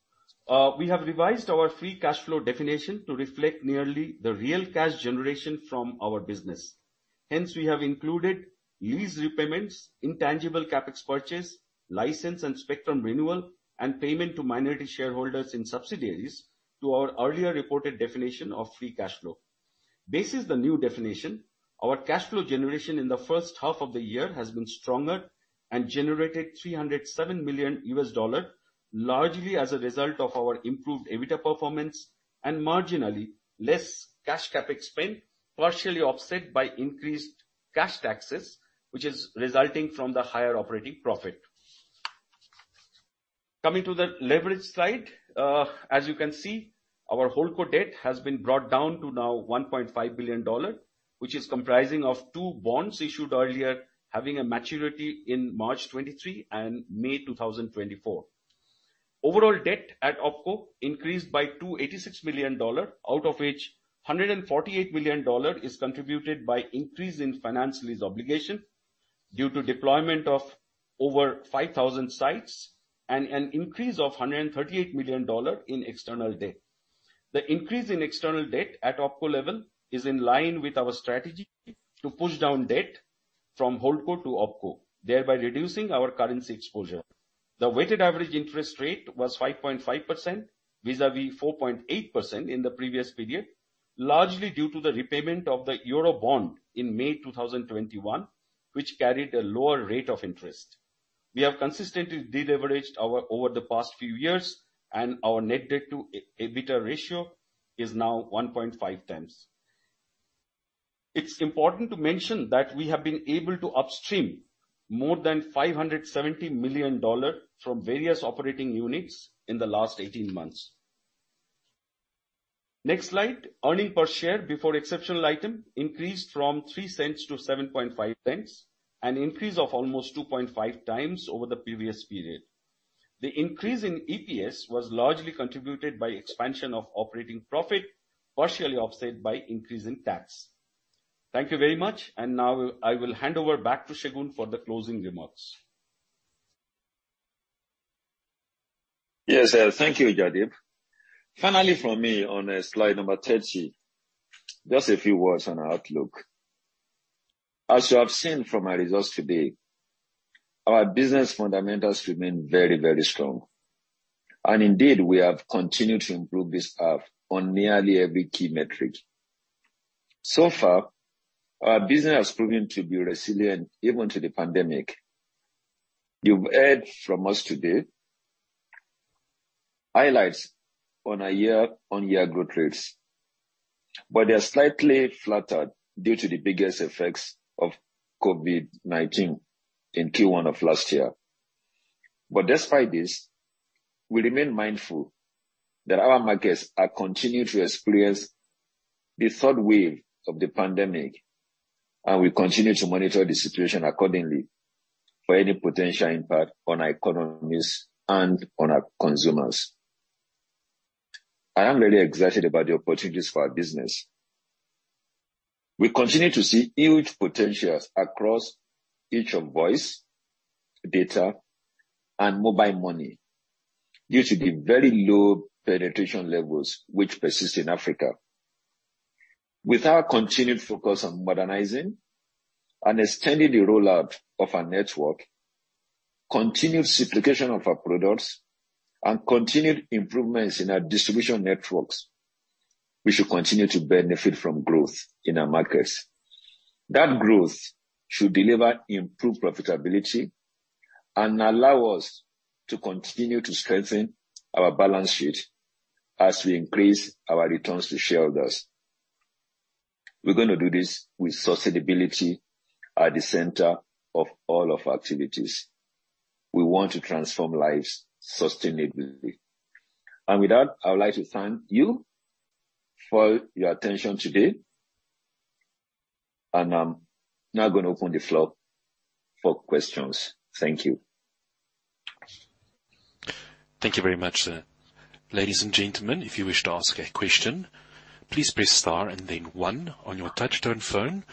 We have revised our free cash flow definition to reflect nearly the real cash generation from our business. Hence, we have included lease repayments, intangible CapEx purchase, license and spectrum renewal, and payment to minority shareholders and subsidiaries to our earlier reported definition of free cash flow. Based on the new definition, our cash flow generation in the first half of the year has been stronger and generated $307 million, largely as a result of our improved EBITDA performance and marginally less cash CapEx spend, partially offset by increased cash taxes, which is resulting from the higher operating profit. Coming to the leverage slide. As you can see, our HoldCo debt has been brought down to now $1.5 billion, which is comprising of two bonds issued earlier, having a maturity in March 2023 and May 2024. Overall debt at OpCo increased by $286 million, out of which $148 million is contributed by increase in finance lease obligation due to deployment of over 5,000 sites and an increase of $138 million in external debt. The increase in external debt at OpCo level is in line with our strategy to push down debt from HoldCo to OpCo, thereby reducing our currency exposure. The weighted average interest rate was 5.5% vis-à-vis 4.8% in the previous period, largely due to the repayment of the Euro bond in May 2021, which carried a lower rate of interest. We have consistently de-leveraged over the past few years, and our net debt to EBITDA ratio is now 1.5x. It's important to mention that we have been able to upstream more than $570 million from various operating units in the last 18 months. Next slide. Earnings per share before exceptional item increased from $0.03 to $0.075, an increase of almost 2.5x over the previous period. The increase in EPS was largely contributed by expansion of operating profit, partially offset by increase in tax. Thank you very much. Now I will hand over back to Segun for the closing remarks. Yes. Thank you, Jaideep. Finally from me on slide number 30, just a few words on our outlook. As you have seen from our results today, our business fundamentals remain very, very strong. Indeed, we have continued to improve this half on nearly every key metric. Our business has proven to be resilient even to the pandemic. You've heard from us today, highlights on a year-on-year growth rates, but they are slightly flattered due to the biggest effects of COVID-19 in Q1 of last year. Despite this, we remain mindful that our markets are continuing to experience the third wave of the pandemic, and we continue to monitor the situation accordingly for any potential impact on our economies and on our consumers. I am really excited about the opportunities for our business. We continue to see huge potentials across each of voice, data, and mobile money due to the very low penetration levels which persist in Africa. With our continued focus on modernizing and extending the rollout of our network, continued simplification of our products, and continued improvements in our distribution networks, we should continue to benefit from growth in our markets. That growth should deliver improved profitability and allow us to continue to strengthen our balance sheet as we increase our returns to shareholders. We're gonna do this with sustainability at the center of all of our activities. We want to transform lives sustainably. With that, I would like to thank you for your attention today, and I'm now gonna open the floor for questions. Thank you. Thank you very much, sir. Ladies and gentlemen, if you wish to ask a question, please press star and then one on your touchtone phone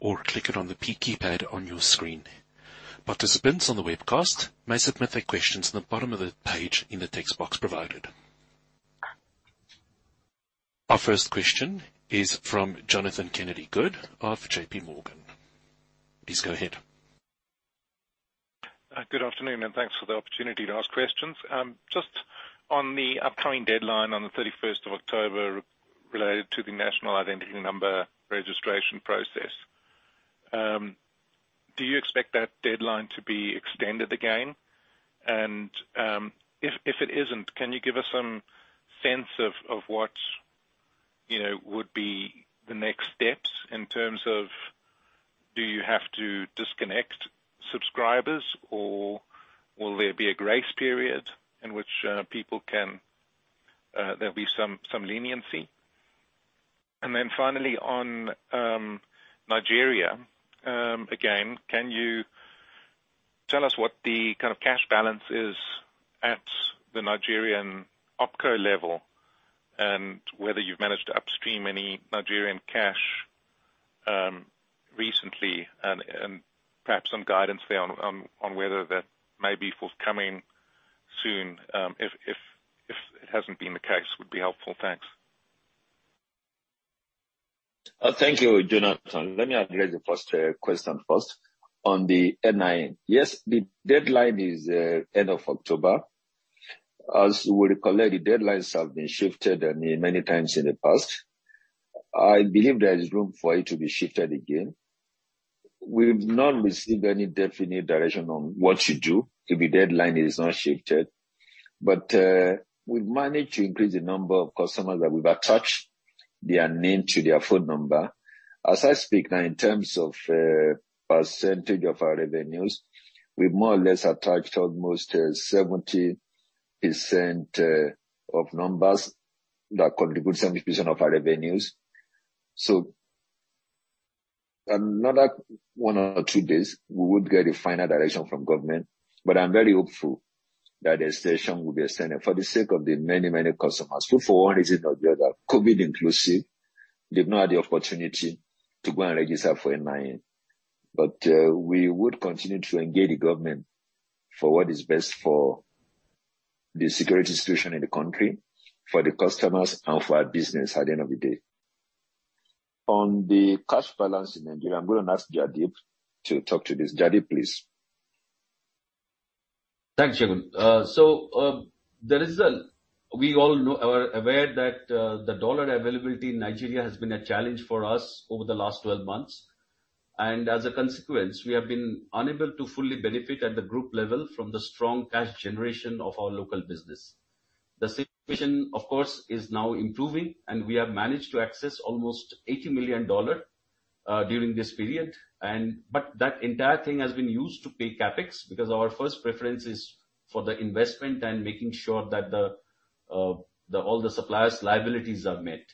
or click it on the keypad on your screen. Participants on the webcast may submit their questions in the bottom of the page in the text box provided. Our first question is from Jonathan Kennedy-Good of JPMorgan. Please go ahead. Good afternoon, and thanks for the opportunity to ask questions. Just on the upcoming deadline on the 31st of October related to the National Identification Number registration process. Do you expect that deadline to be extended again? If it isn't, can you give us some sense of what, you know, would be the next steps in terms of do you have to disconnect subscribers or will there be a grace period in which people can? There'll be some leniency? Then finally on Nigeria, again, can you tell us what the kind of cash balance is at the Nigerian OpCo level and whether you've managed to upstream any Nigerian cash recently and perhaps some guidance there on whether that may be forthcoming soon, if it hasn't been the case, would be helpful? Thanks. Thank you, Jonathan. Let me address the first question first on the NIN. Yes, the deadline is end of October. As we recall it, deadlines have been shifted, I mean, many times in the past. I believe there is room for it to be shifted again. We've not received any definite direction on what to do if the deadline is not shifted. We've managed to increase the number of customers that we've attached their name to their phone number. As I speak now, in terms of percentage of our revenues, we've more or less attached almost 70% of numbers that contribute 70% of our revenues. Another one or two days, we would get a final direction from government. I'm very hopeful that extension will be extended for the sake of the many, many customers who, for one reason or the other, COVID inclusive, did not have the opportunity to go and register for NIN. We would continue to engage the government for what is best for the security situation in the country, for the customers and for our business at the end of the day. On the cash balance in Nigeria, I'm gonna ask Jaideep to talk to this. Jaideep, please. Thanks, Segun. The result, we all know or are aware that, the dollar availability in Nigeria has been a challenge for us over the last 12 months. As a consequence, we have been unable to fully benefit at the group level from the strong cash generation of our local business. The situation, of course, is now improving, and we have managed to access almost $80 million during this period. That entire thing has been used to pay CapEx because our first preference is for the investment and making sure that all the suppliers' liabilities are met.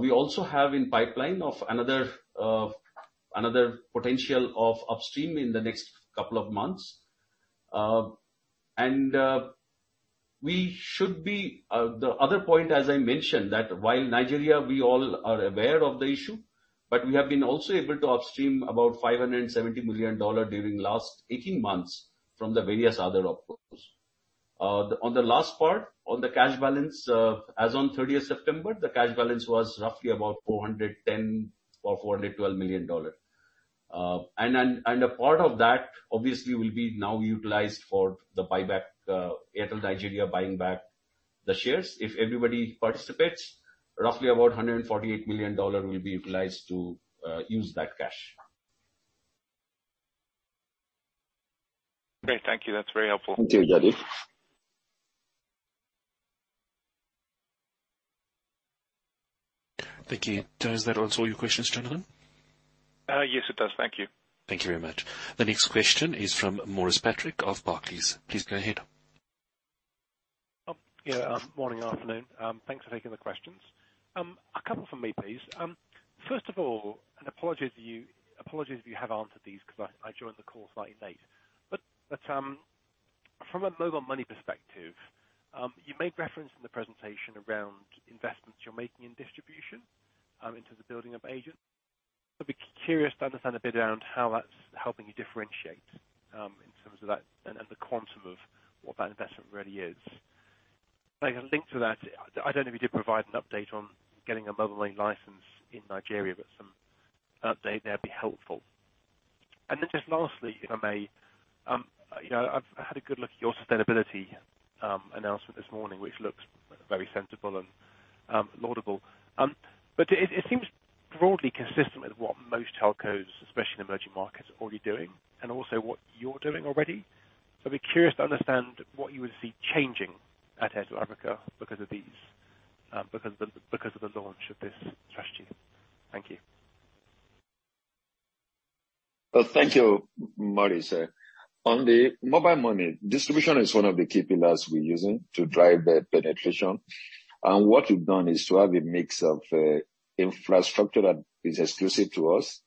We also have in pipeline of another potential of upstream in the next couple of months. We should be... The other point, as I mentioned, that while Nigeria, we all are aware of the issue, but we have been also able to upstream about $570 million during last 18 months from the various other OpCos. On the last part, on the cash balance, as on 30th September, the cash balance was roughly about $410 or $412 million. And then, and a part of that obviously will be now utilized for the buyback, Airtel Nigeria buying back the shares. If everybody participates, roughly about $148 million will be utilized to use that cash. Great. Thank you. That's very helpful. Thank you, Jonathan. Thank you. Does that answer all your questions, Jonathan? Yes, it does. Thank you. Thank you very much. The next question is from Maurice Patrick of Barclays. Please go ahead. Oh, yeah. Morning, afternoon. Thanks for taking the questions. A couple from me, please. First of all, apologies if you have answered these 'cause I joined the call slightly late. From a mobile money perspective, you made reference in the presentation around investments you're making in distribution into the building of agents. I'd be curious to understand a bit around how that's helping you differentiate in terms of that and the quantum of what that investment really is. Like linked to that, I don't know if you did provide an update on getting a mobile money license in Nigeria, but some update there'd be helpful. Just lastly, if I may, you know, I've had a good look at your sustainability announcement this morning, which looks very sensible and laudable. It seems broadly consistent with what most telcos, especially in emerging markets, are already doing and also what you're doing already. I'd be curious to understand what you would see changing at MTN Group because of the launch of this strategy. Thank you. Thank you, Maurice. On the mobile money, distribution is one of the key pillars we're using to drive the penetration. What we've done is to have a mix of infrastructure that is exclusive to us,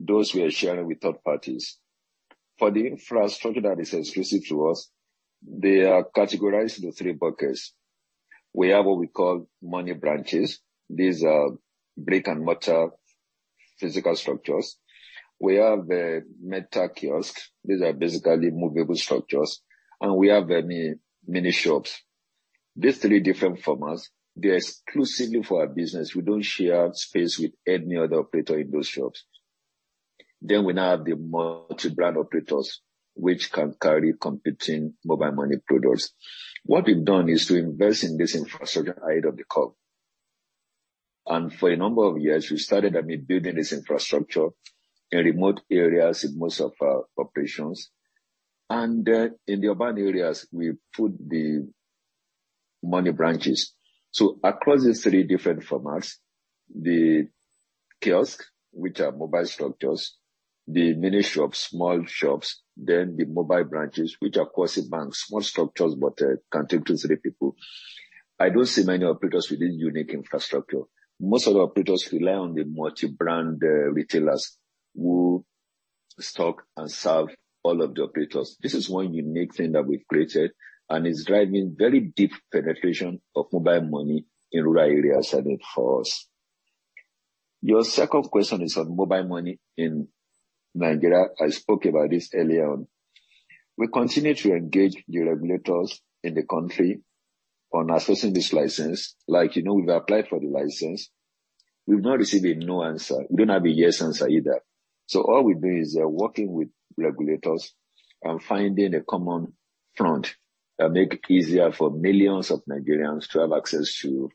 those we are sharing with third parties. For the infrastructure that is exclusive to us, they are categorized into three buckets. We have what we call Airtel Money branches. These are brick-and-mortar physical structures. We have Airtel Money kiosks. These are basically movable structures, and we have mini shops. These three different formats, they're exclusively for our business. We don't share space with any other operator in those shops. We now have the multi-brand operators, which can carry competing mobile money products. What we've done is to invest in this infrastructure ahead of the curve. For a number of years, we started and been building this infrastructure in remote areas in most of our operations. In the urban areas, we put the money branches. Across these three different formats, the kiosk, which are mobile structures, the mini shops, small shops, then the mobile branches, which of course is banks, small structures but, can take up to three people. I don't see many operators with this unique infrastructure. Most of the operators rely on the multi-brand retailers who stock and serve all of the operators. This is one unique thing that we've created and is driving very deep penetration of mobile money in rural areas and in forests. Your second question is on mobile money in Nigeria. I spoke about this earlier on. We continue to engage the regulators in the country on assessing this license. Like, you know, we've applied for the license. We've not received a no answer. We don't have a yes answer either. All we do is working with regulators and finding a common front that make it easier for millions of Nigerians to have access to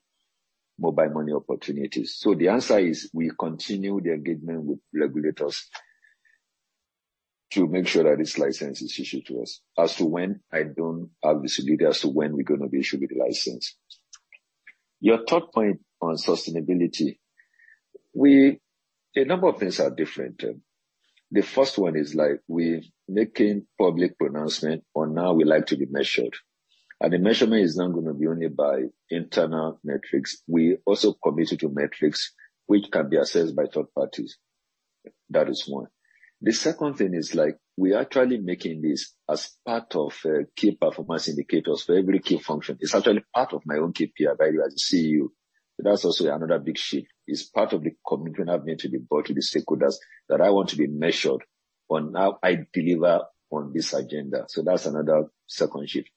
mobile money opportunities. The answer is we continue the engagement with regulators to make sure that this license is issued to us. As to when, I don't have visibility as to when we're gonna be issued with the license. Your third point on sustainability. A number of things are different. The first one is like we're making public pronouncement on how we like to be measured, and the measurement is not gonna be only by internal metrics. We also committed to metrics which can be assessed by third parties. That is one. The second thing is like we are actually making this as part of key performance indicators for every key function. It's actually part of my own KPI value as a CEO. That's also another big shift. It's part of the commitment I've made to the board, to the stakeholders, that I want to be measured on how I deliver on this agenda. That's another second shift.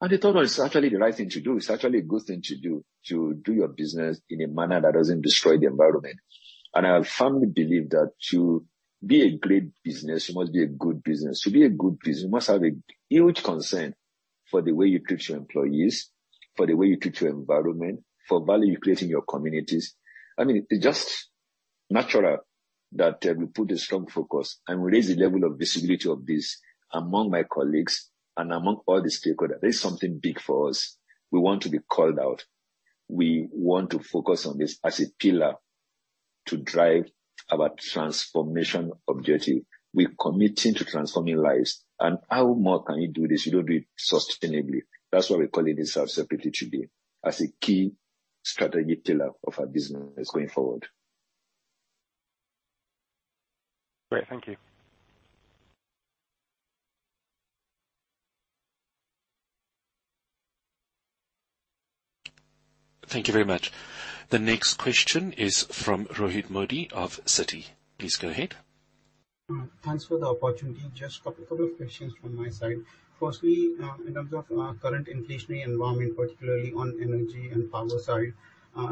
The third one, it's actually the right thing to do. It's actually a good thing to do, to do your business in a manner that doesn't destroy the environment. I firmly believe that to be a great business, you must be a good business. To be a good business, you must have a huge concern for the way you treat your employees, for the way you treat your environment, for value you create in your communities. I mean, it's just natural that we put a strong focus and raise the level of visibility of this among my colleagues and among all the stakeholders. This is something big for us. We want to be called out. We want to focus on this as a pillar to drive our transformation objective. We're committing to transforming lives. How more can you do this? You do it sustainably. That's why we're calling this our sustainability today as a key strategic pillar of our business going forward. Great. Thank you. Thank you very much. The next question is from Rohit Modi of Citi. Please go ahead. Thanks for the opportunity. Just a couple of questions from my side. Firstly, in terms of current inflationary environment, particularly on energy and power side,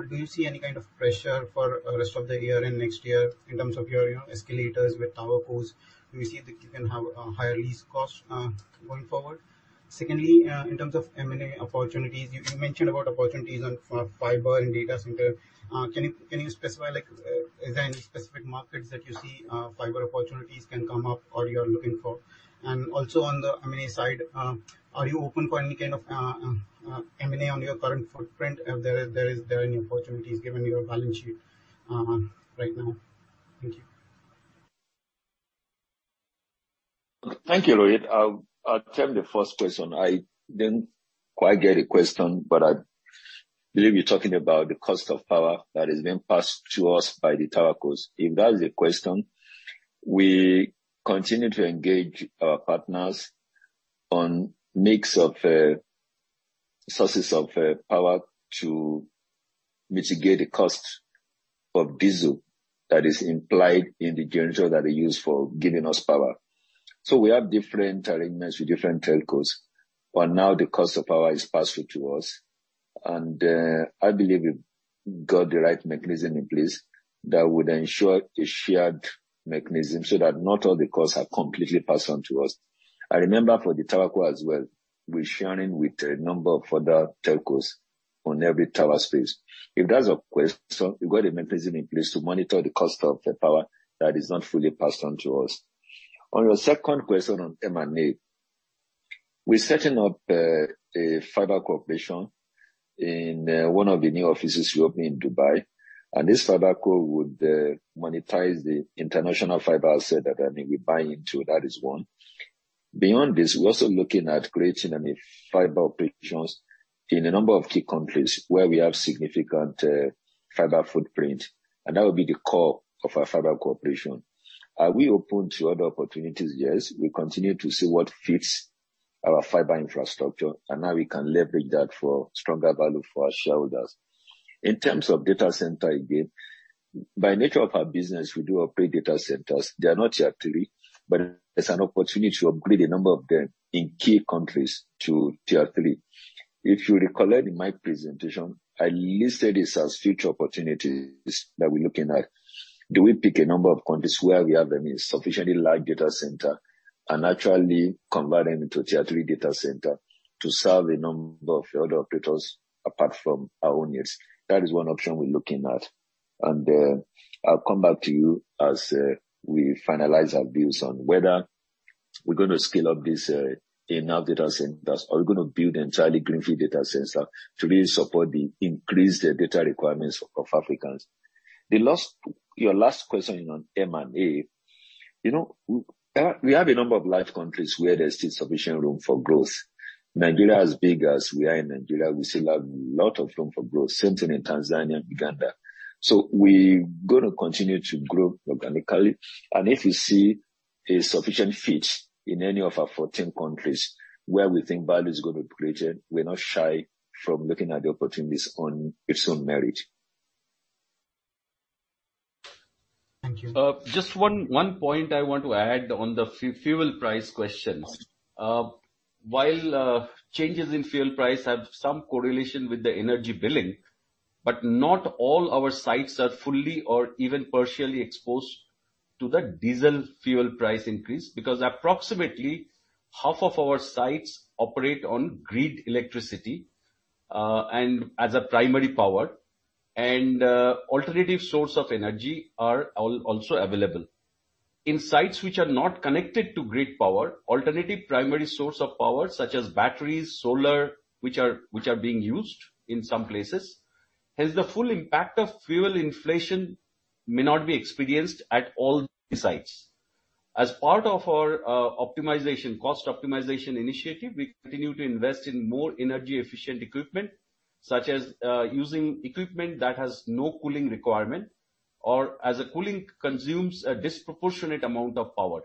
do you see any kind of pressure for rest of the year and next year in terms of your, you know, escalators with tower costs? Do you see that you can have higher lease costs going forward? Secondly, in terms of M&A opportunities, you mentioned about opportunities on fiber and data center. Can you specify, like, is there any specific markets that you see fiber opportunities can come up or you are looking for? And also on the M&A side, are you open for any kind of M&A on your current footprint if there are any opportunities given your balance sheet right now? Thank you. Thank you, Rohit. I'll take the first question. I didn't quite get the question, but I believe you're talking about the cost of power that is being passed to us by the telcos. If that is the question, we continue to engage our partners on mix of sources of power to mitigate the cost of diesel that is implied in the generator that they use for giving us power. We have different arrangements with different telcos, where now the cost of power is passed through to us. I believe we've got the right mechanism in place that would ensure a shared mechanism so that not all the costs are completely passed on to us. I remember for the telco as well, we're sharing with a number of other telcos on every tower space. If that's a question, we've got a mechanism in place to monitor the cost of the power that is not fully passed on to us. On your second question on M&A, we're setting up a fiber corporation in one of the new offices we opened in Dubai, and this fiber co would monetize the international fiber asset that, I mean, we buy into. That is one. Beyond this, we're also looking at creating, I mean, fiber operations in a number of key countries where we have significant fiber footprint, and that would be the core of our fiber corporation. Are we open to other opportunities? Yes. We continue to see what fits our fiber infrastructure and how we can leverage that for stronger value for our shareholders. In terms of data center, again, by nature of our business, we do operate data centers. They are not Tier III, but there's an opportunity to upgrade a number of them in key countries to Tier III. If you recall in my presentation, I listed this as future opportunities that we're looking at. Do we pick a number of countries where we have, I mean, sufficiently large data center and actually convert them into Tier III data center to serve a number of other operators apart from our own use? That is one option we're looking at. I'll come back to you as we finalize our views on whether we're gonna scale up this in our data centers or we're gonna build entirely greenfield data center to really support the increased data requirements of Africans. Your last question on M&A, you know, we have a number of live countries where there's still sufficient room for growth. Nigeria, as big as we are in Nigeria, we still have a lot of room for growth. Same thing in Tanzania and Uganda. We're gonna continue to grow organically. If we see a sufficient fit in any of our 14 countries where we think value is gonna be created, we're not shy from looking at the opportunities on its own merit. Thank you. Just one point I want to add on the fuel price questions. While changes in fuel price have some correlation with the energy billing, not all our sites are fully or even partially exposed to the diesel fuel price increase. Because approximately half of our sites operate on grid electricity, and as a primary power, and alternative source of energy are also available. In sites which are not connected to grid power, alternative primary source of power such as batteries, solar, which are being used in some places, hence the full impact of fuel inflation may not be experienced at all sites. As part of our cost optimization initiative, we continue to invest in more energy efficient equipment, such as using equipment that has no cooling requirement or the cooling consumes a disproportionate amount of power.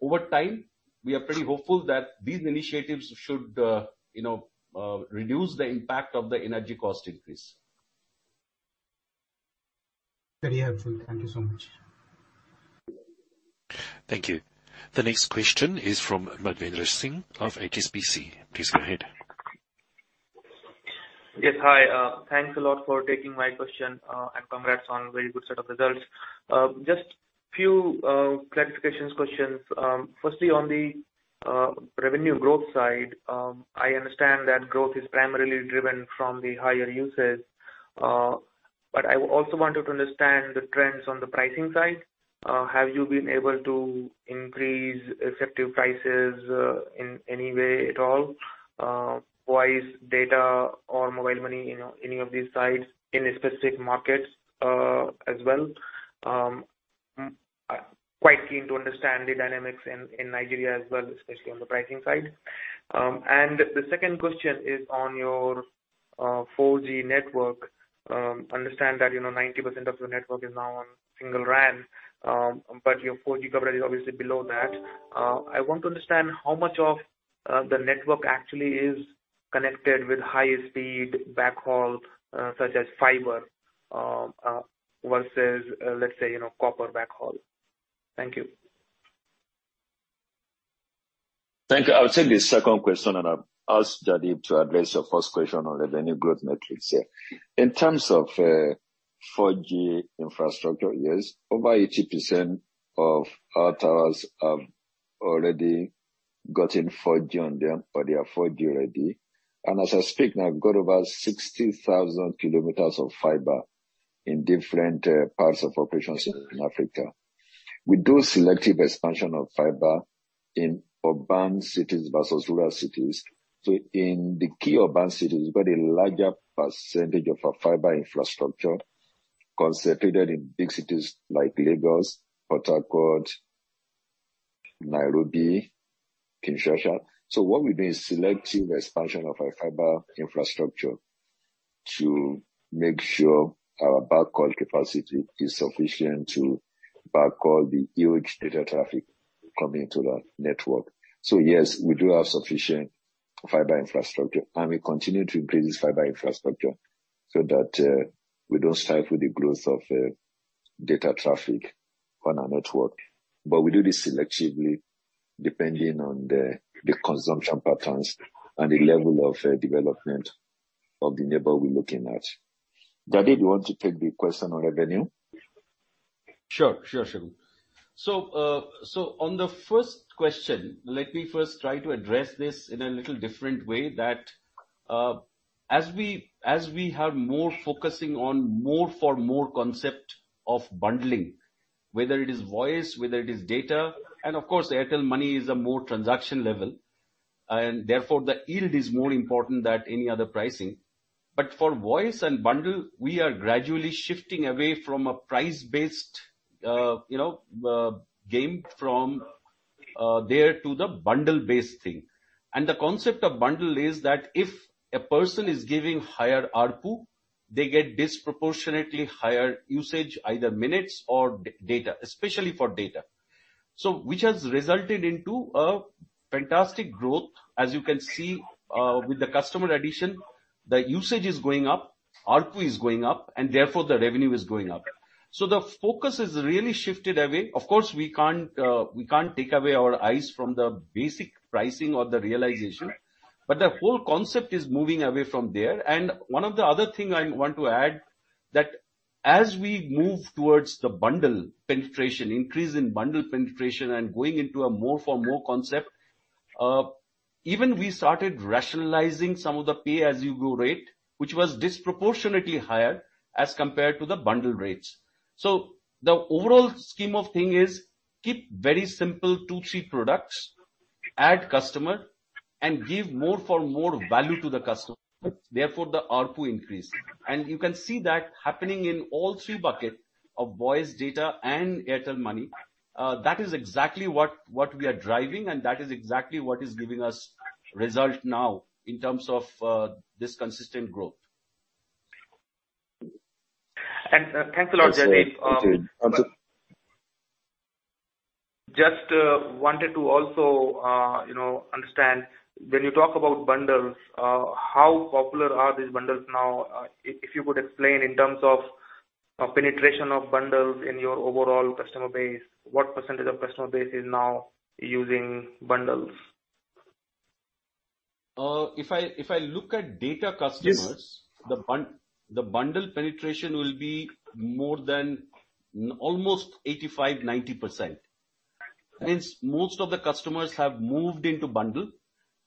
Over time, we are pretty hopeful that these initiatives should, you know, reduce the impact of the energy cost increase. Very helpful. Thank you so much. Thank you. The next question is from Madhvendra Singh of HSBC. Please go ahead. Yes. Hi. Thanks a lot for taking my question, and congrats on a very good set of results. Just a few clarification questions. Firstly, on the revenue growth side, I understand that growth is primarily driven from the higher usage, but I also wanted to understand the trends on the pricing side. Have you been able to increase effective prices in any way at all, voice, data or mobile money, you know, any of these sides in specific markets, as well? Quite keen to understand the dynamics in Nigeria as well, especially on the pricing side. The second question is on your 4G network. I understand that, you know, 90% of your network is now on single RAN, but your 4G coverage is obviously below that. I want to understand how much of the network actually is connected with high speed backhaul, such as fiber, versus, let's say, you know, copper backhaul. Thank you. Thank you. I will take the second question, and I'll ask Jaideep to address your first question on revenue growth metrics, yeah. In terms of 4G infrastructure, yes. Over 80% of our towers have already gotten 4G on them or they are 4G ready. As I speak now, I've got over 60,000 kilometers of fiber in different parts of operations in Africa. We do selective expansion of fiber in urban cities versus rural cities. In the key urban cities, we've got a larger percentage of our fiber infrastructure concentrated in big cities like Lagos, Port Harcourt, Nairobi, Kinshasa. What we do is selective expansion of our fiber infrastructure to make sure our backhaul capacity is sufficient to backhaul the huge data traffic coming into that network. Yes, we do have sufficient fiber infrastructure, and we continue to increase this fiber infrastructure so that we don't stifle the growth of data traffic on our network. We do this selectively depending on the consumption patterns and the level of development of the neighbor we're looking at. Jaideep, do you want to take the question on revenue? Sure. On the first question, let me first try to address this in a little different way that, as we have more focus on more-for-more concept of bundling, whether it is voice, whether it is data, and of course, Airtel Money is at a more transaction level, and therefore the yield is more important than any other pricing. For voice and bundle, we are gradually shifting away from a price-based, you know, game from there to the bundle-based thing. The concept of bundle is that if a person is paying higher ARPU, they get disproportionately higher usage, either minutes or data, especially for data. Which has resulted into a fantastic growth, as you can see, with the customer addition, the usage is going up, ARPU is going up, and therefore the revenue is going up. The focus has really shifted away. Of course, we can't take away our eyes from the basic pricing or the realization. The whole concept is moving away from there. One of the other thing I want to add, that as we move towards the bundle penetration, increase in bundle penetration and going into a more for more concept, even we started rationalizing some of the pay-as-you-go rate, which was disproportionately higher as compared to the bundle rates. The overall scheme of thing is keep very simple 2, 3 products, add customer, and give more for more value to the customer, therefore the ARPU increase. You can see that happening in all three buckets of voice data and Airtel Money. That is exactly what we are driving, and that is exactly what is giving us result now in terms of this consistent growth. Thanks a lot, Jaideep. That's it. Just, wanted to also, you know, understand when you talk about bundles, how popular are these bundles now? If you could explain in terms of, penetration of bundles in your overall customer base, what percentage of customer base is now using bundles? If I look at data customers- Yes. The bundle penetration will be more than almost 85%-90%. Right. Means most of the customers have moved into bundle,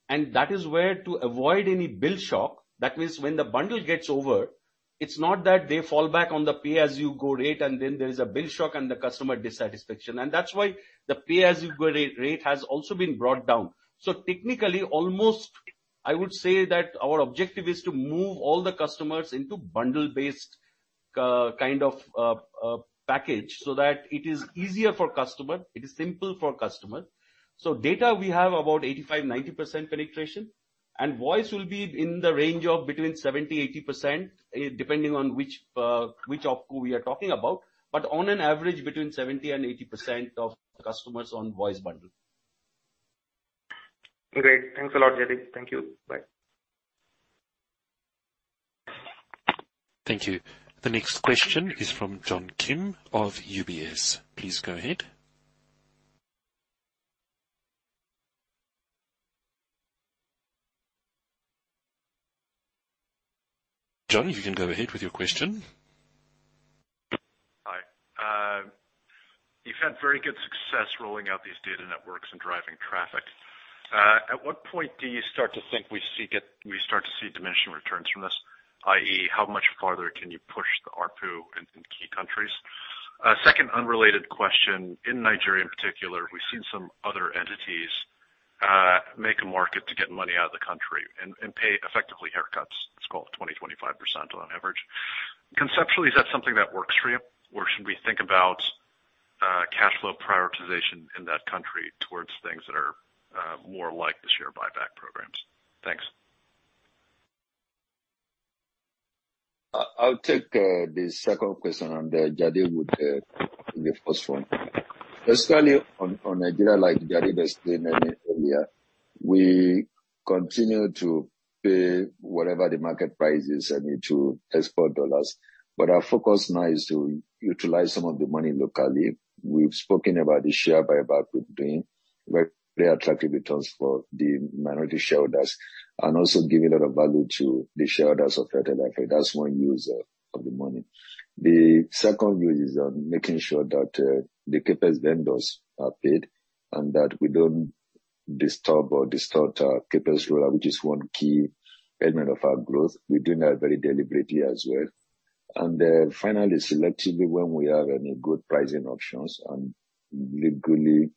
and that is where to avoid any bill shock. That means when the bundle gets over, it's not that they fall back on the pay-as-you-go rate, and then there is a bill shock and the customer dissatisfaction. That's why the pay-as-you-go rate has also been brought down. Technically, almost, I would say that our objective is to move all the customers into bundle-based kind of package, so that it is easier for customer, it is simple for customer. Data we have about 85%-90% penetration. Voice will be in the range of between 70% and 80%, depending on which OpCo we are talking about. On an average, between 70% and 80% of customers on voice bundle. Great. Thanks a lot, Jaideep. Thank you. Bye. Thank you. The next question is from <audio distortion> of UBS. Please go ahead. John, if you can go ahead with your question. Hi. You've had very good success rolling out these data networks and driving traffic. At what point do you start to think we start to see diminishing returns from this, i.e., how much farther can you push the ARPU in key countries? Second unrelated question. In Nigeria in particular, we've seen some other entities make a market to get money out of the country and pay effectively haircuts. Let's call it 20, 25% on average. Conceptually, is that something that works for you? Or should we think about cash flow prioritization in that country towards things that are more like the share buyback programs? Thanks. I'll take the second question and Jaideep would take the first one. Especially on Nigeria, like Jaideep explained earlier. We continue to pay whatever the market price is and to export dollars. But our focus now is to utilize some of the money locally. We've spoken about the share buyback we're doing very attractive returns for the minority shareholders and also giving a lot of value to the shareholders of Airtel Africa. That's one use of the money. The second use is on making sure that the CapEx vendors are paid and that we don't disturb or distort our CapEx rollout, which is one key element of our growth. We're doing that very deliberately as well. Finally, selectively, when we have any good pricing options and legally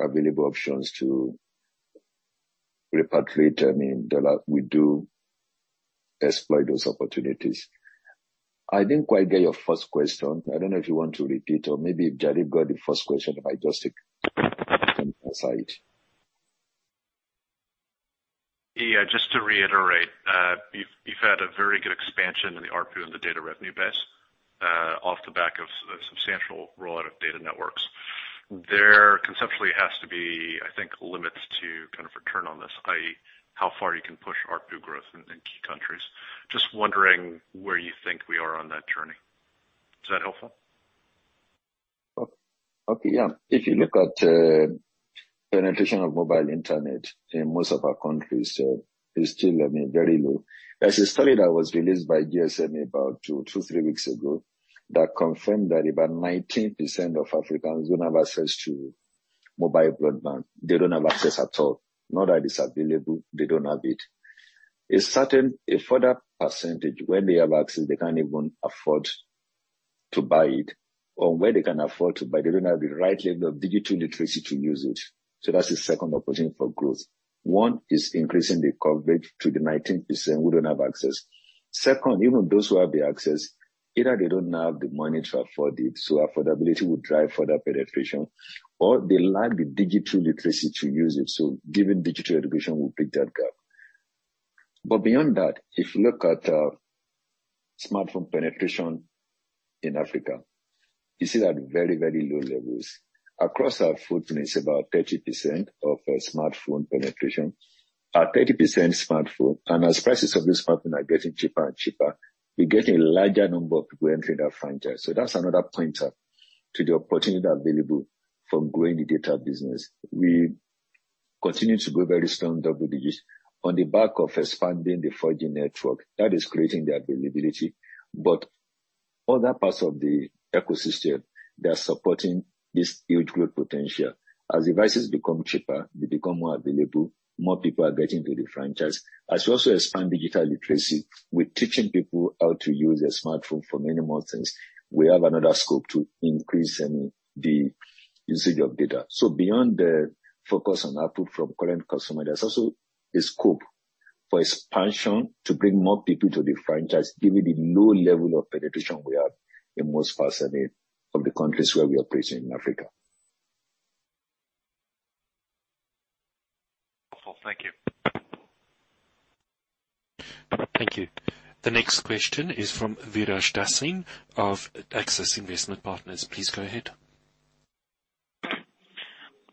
available options to repatriate any dollar, we do exploit those opportunities. I didn't quite get your first question. I don't know if you want to repeat, or maybe if Jaideep got the first question, if I just come aside. Yeah, just to reiterate, you've had a very good expansion in the ARPU and the data revenue base, off the back of substantial rollout of data networks. There conceptually has to be, I think, limits to kind of return on this, i.e., how far you can push ARPU growth in key countries. Just wondering where you think we are on that journey. Is that helpful? If you look at penetration of mobile internet in most of our countries is still, I mean, very low. There's a study that was released by GSMA about 2-3 weeks ago that confirmed that about 19% of Africans don't have access to mobile broadband. They don't have access at all. Not that it's available, they don't have it. A further percentage, when they have access, they can't even afford to buy it, or where they can afford to buy they don't have the right level of digital literacy to use it. That's the second opportunity for growth. One is increasing the coverage to the 19% who don't have access. Second, even those who have the access, either they don't have the money to afford it, so affordability will drive further penetration, or they lack the digital literacy to use it, so giving digital education will bridge that gap. Beyond that, if you look at smartphone penetration in Africa, you see that very, very low levels. Across our footprint is about 30% smartphone penetration. At 30% smartphone, and as prices of these smartphones are getting cheaper and cheaper, we're getting a larger number of people entering that franchise. That's another pointer to the opportunity available for growing the data business. We continue to grow very strong double digit on the back of expanding the 4G network. That is creating the availability, but other parts of the ecosystem, they are supporting this huge growth potential. As devices become cheaper, they become more available, more people are getting into the franchise. As we also expand digital literacy with teaching people how to use a smartphone for many more things, we have another scope to increase in the usage of data. Beyond the focus on output from current customer, there's also a scope for expansion to bring more people to the franchise, given the low level of penetration we have in most parts, I mean, of the countries where we operate in Africa. Thank you. Thank you. The next question is from [Viraj Dassing]of Axis Investment Partners. Please go ahead.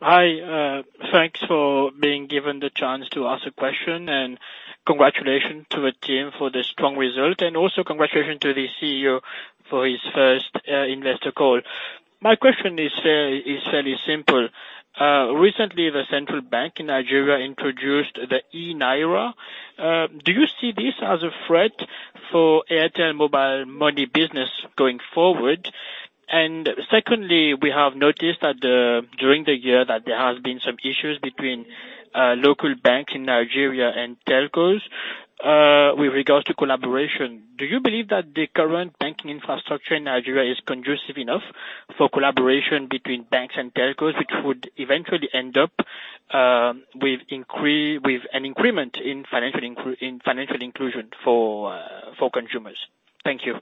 Hi. Thanks for being given the chance to ask a question, and congratulations to the team for the strong result, and also congratulations to the CEO for his first investor call. My question is fairly simple. Recently, the Central Bank of Nigeria introduced the eNaira. Do you see this as a threat for Airtel mobile money business going forward? Secondly, we have noticed that during the year there has been some issues between local banks in Nigeria and telcos with regards to collaboration. Do you believe that the current banking infrastructure in Nigeria is conducive enough for collaboration between banks and telcos, which would eventually end up with an increment in financial inclusion for consumers? Thank you.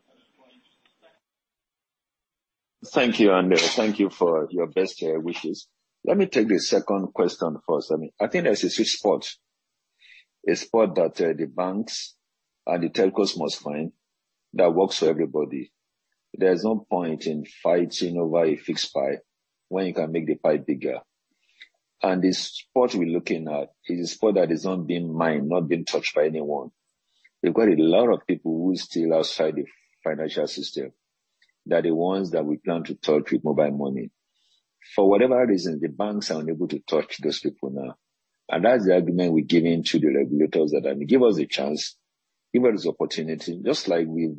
Thank you. Thank you for your best wishes. Let me take the second question first. I mean, I think there's a sweet spot, a spot that the banks and the telcos must find that works for everybody. There's no point in fighting over a fixed pie when you can make the pie bigger. The spot we're looking at is a spot that is not being mined, not being touched by anyone. We've got a lot of people who are still outside the financial system. They're the ones that we plan to touch with mobile money. For whatever reason, the banks are unable to touch those people now. That's the argument we're giving to the regulators, that give us a chance, give us the opportunity. Just like we've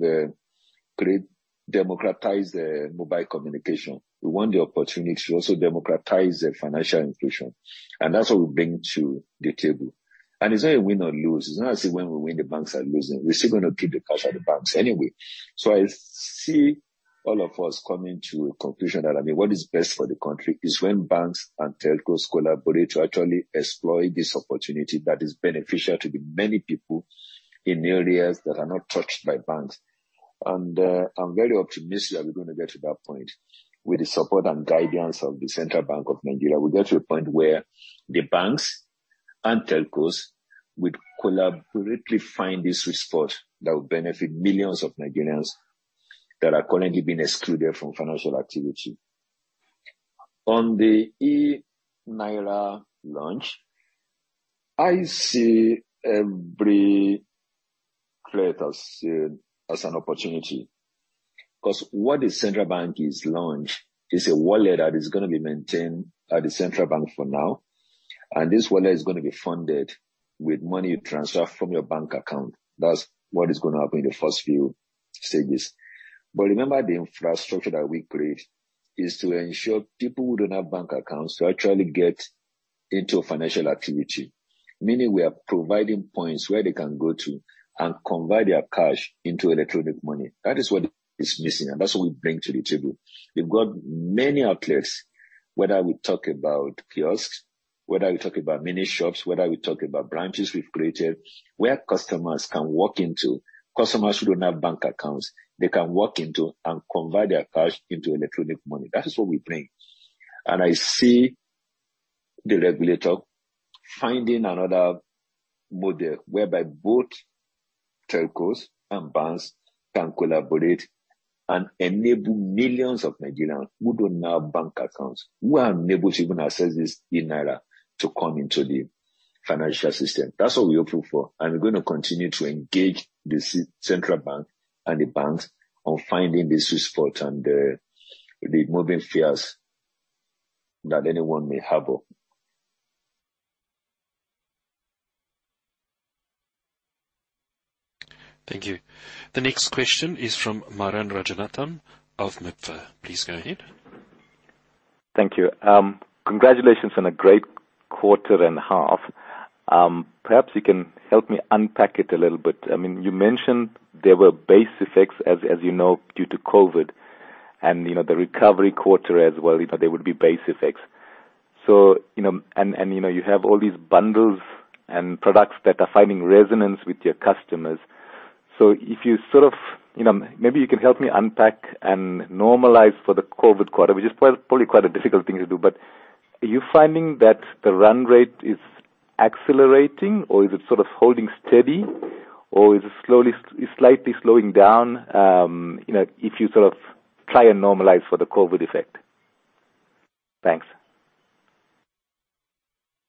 democratized mobile communication, we want the opportunity to also democratize the financial inclusion. That's what we're bringing to the table. It's not a win or lose. It's not as if when we win, the banks are losing. We're still gonna keep the cash at the banks anyway. I see all of us coming to a conclusion that, I mean, what is best for the country is when banks and telcos collaborate to actually exploit this opportunity that is beneficial to the many people in areas that are not touched by banks. I'm very optimistic that we're gonna get to that point with the support and guidance of the Central Bank of Nigeria. We'll get to a point where the banks and telcos would collaboratively find this sweet spot that would benefit millions of Nigerians that are currently being excluded from financial activity. On the eNaira launch, I see every threat as an opportunity. What the Central Bank is launched is a wallet that is gonna be maintained at the Central Bank for now, and this wallet is gonna be funded with money you transfer from your bank account. That's what is gonna happen in the first few stages. Remember, the infrastructure that we create is to ensure people who don't have bank accounts to actually get into financial activity. Meaning we are providing points where they can go to and convert their cash into electronic money. That is what is missing, and that's what we bring to the table. We've got many outlets, whether we talk about kiosks, whether we talk about mini shops, whether we talk about branches we've created, where customers can walk into. Customers who don't have bank accounts, they can walk into and convert their cash into electronic money. That is what we bring. I see the regulator finding another model whereby both telcos and banks can collaborate and enable millions of Nigerians who don't have bank accounts, who are unable to even access this eNaira, to come into the financial system. That's what we're hoping for, and we're gonna continue to engage the Central Bank and the banks on finding the sweet spot and the misgivings that anyone may harbor. Thank you. The next question is from Myuran Rajaratnam of MIBFA. Please go ahead. Thank you. Congratulations on a great quarter and half. Perhaps you can help me unpack it a little bit. I mean, you mentioned there were base effects as you know, due to COVID and, you know, the recovery quarter as well, you know, there would be base effects. You know, and you know, you have all these bundles and products that are finding resonance with your customers. If you sort of, you know, maybe you can help me unpack and normalize for the COVID quarter, which is probably quite a difficult thing to do. Are you finding that the run rate is accelerating, or is it sort of holding steady, or is it slowly slightly slowing down? You know, if you sort of try and normalize for the COVID effect. Thanks.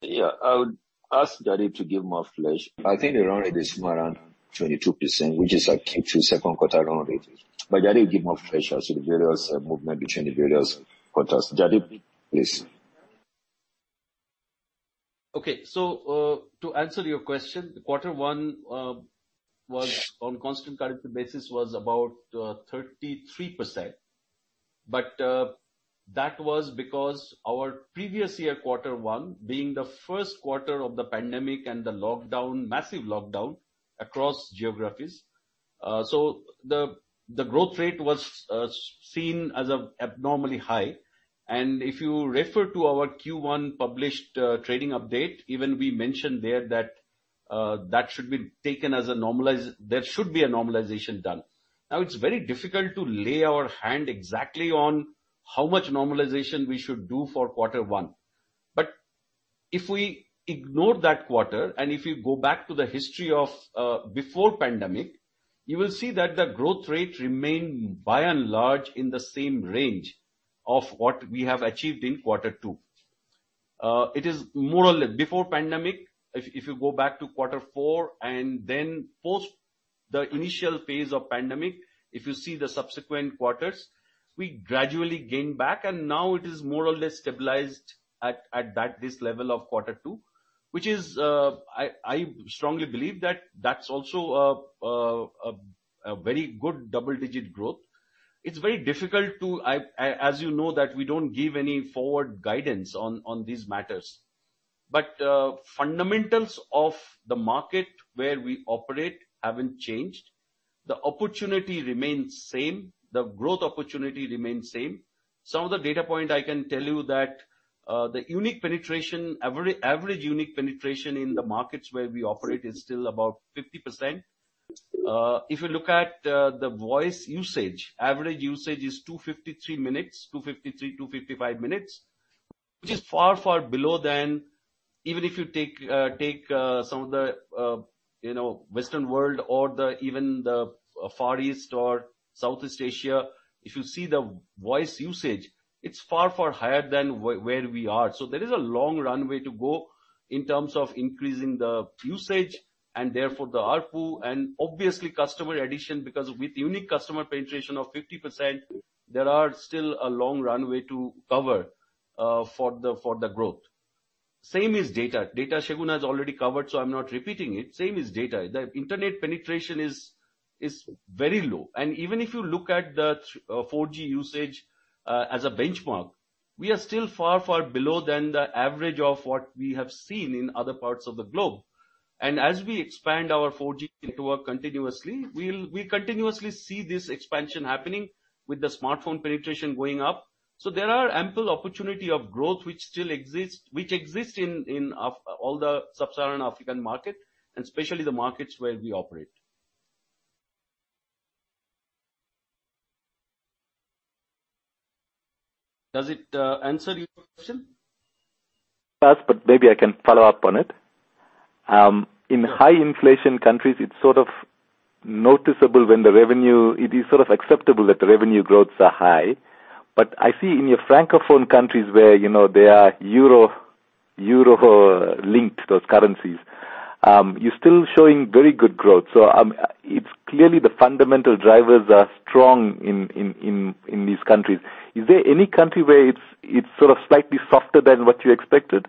Yeah. I would ask Jaideep to give more flesh. I think the run rate is more around 22%, which is like Q2 second quarter run rate. Jaideep give more flesh as to the various movement between the various quarters. Jaideep, please. Okay. To answer your question, quarter one was on constant currency basis was about 33%. That was because our previous year quarter one being the first quarter of the pandemic and the lockdown massive lockdown across geographies. The growth rate was seen as abnormally high. If you refer to our Q1 published trading update, even we mentioned there that there should be a normalization done. Now, it's very difficult to lay our hand exactly on how much normalization we should do for quarter one. If we ignore that quarter, and if you go back to the history of before pandemic, you will see that the growth rate remained by and large in the same range of what we have achieved in quarter two. It is more or less. Before pandemic, if you go back to quarter four and then post the initial phase of pandemic, if you see the subsequent quarters, we gradually gain back, and now it is more or less stabilized at that, this level of quarter two. Which is, I strongly believe that that's also a very good double-digit growth. It's very difficult to. As you know, that we don't give any forward guidance on these matters. But fundamentals of the market where we operate haven't changed. The opportunity remains same. The growth opportunity remains same. Some of the data point I can tell you that, the unique penetration, average unique penetration in the markets where we operate is still about 50%. If you look at the voice usage, average usage is 253 minutes, 255 minutes. Which is far, far below than even if you take some of the, you know, Western world or even the Far East or Southeast Asia. If you see the voice usage, it's far, far higher than where we are. There is a long runway to go in terms of increasing the usage and therefore the ARPU. Obviously customer addition, because with unique customer penetration of 50%, there is still a long runway to cover for the growth. Same as data. Data, Segun has already covered, so I'm not repeating it. The internet penetration is very low. Even if you look at the 4G usage as a benchmark, we are still far below than the average of what we have seen in other parts of the globe. As we expand our 4G network continuously, we continuously see this expansion happening with the smartphone penetration going up. There are ample opportunity of growth which still exists in of all the sub-Saharan African market, and especially the markets where we operate. Does it answer your question? Yes, maybe I can follow up on it. In high inflation countries, it's sort of noticeable when the revenue. It is sort of acceptable that the revenue growths are high. I see in your Francophone countries where, you know, they are euro-linked those currencies, you're still showing very good growth. It's clearly the fundamental drivers are strong in these countries. Is there any country where it's sort of slightly softer than what you expected?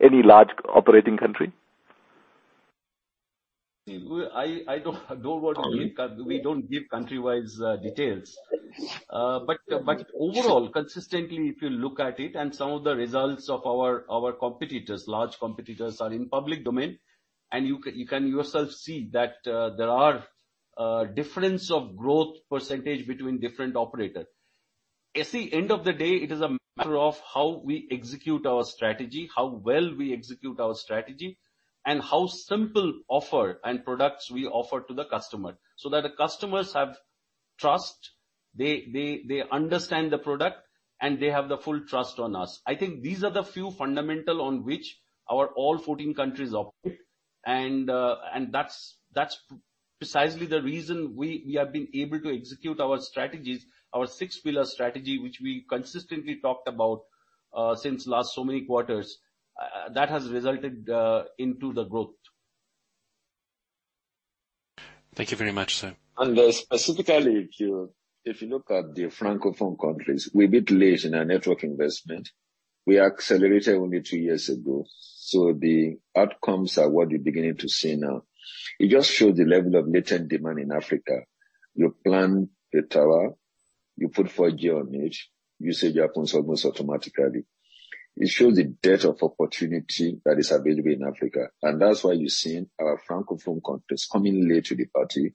Any large operating country? I don't want to give country wise details. We don't give country wise details. Overall, consistently, if you look at it and some of the results of our large competitors are in public domain, and you can yourself see that, there are difference of growth percentage between different operator. At the end of the day, it is a matter of how we execute our strategy, how well we execute our strategy, and how simple offer and products we offer to the customer, so that the customers have trust, they understand the product, and they have the full trust on us. I think these are the few fundamental on which our all fourteen countries operate. That's precisely the reason we have been able to execute our strategies, our six pillar strategy, which we consistently talked about since last so many quarters. That has resulted into the growth. Thank you very much, sir. Specifically, if you look at the Francophone countries, we're a bit late in our network investment. We accelerated only two years ago. The outcomes are what you're beginning to see now. It just shows the level of latent demand in Africa. You plant the tower, you put 4G on it, usage happens almost automatically. It shows the depth of opportunity that is available in Africa, and that's why you're seeing our Francophone countries coming late to the party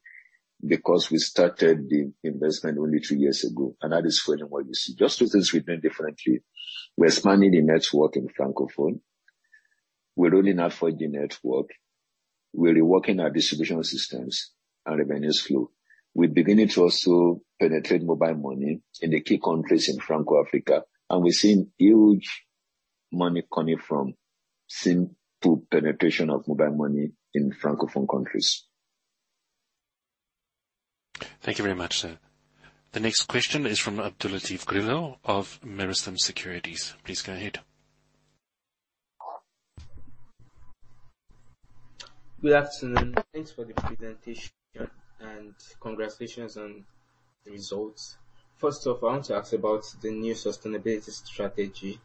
because we started the investment only two years ago, and that is showing what you see. Just the things we've done differently, we're expanding the network in Francophone. We're rolling out 4G network. We're reworking our distribution systems and revenues flow. We're beginning to also penetrate mobile money in the key countries in Francophone Africa, and we're seeing huge money coming from simple penetration of mobile money in Francophone countries. Thank you very much, sir. The next question is from Abdullateef Grillo of Meristem Securities. Please go ahead. Good afternoon. Thanks for the presentation and congratulations on the results. First off, I want to ask you about the new sustainability strategy.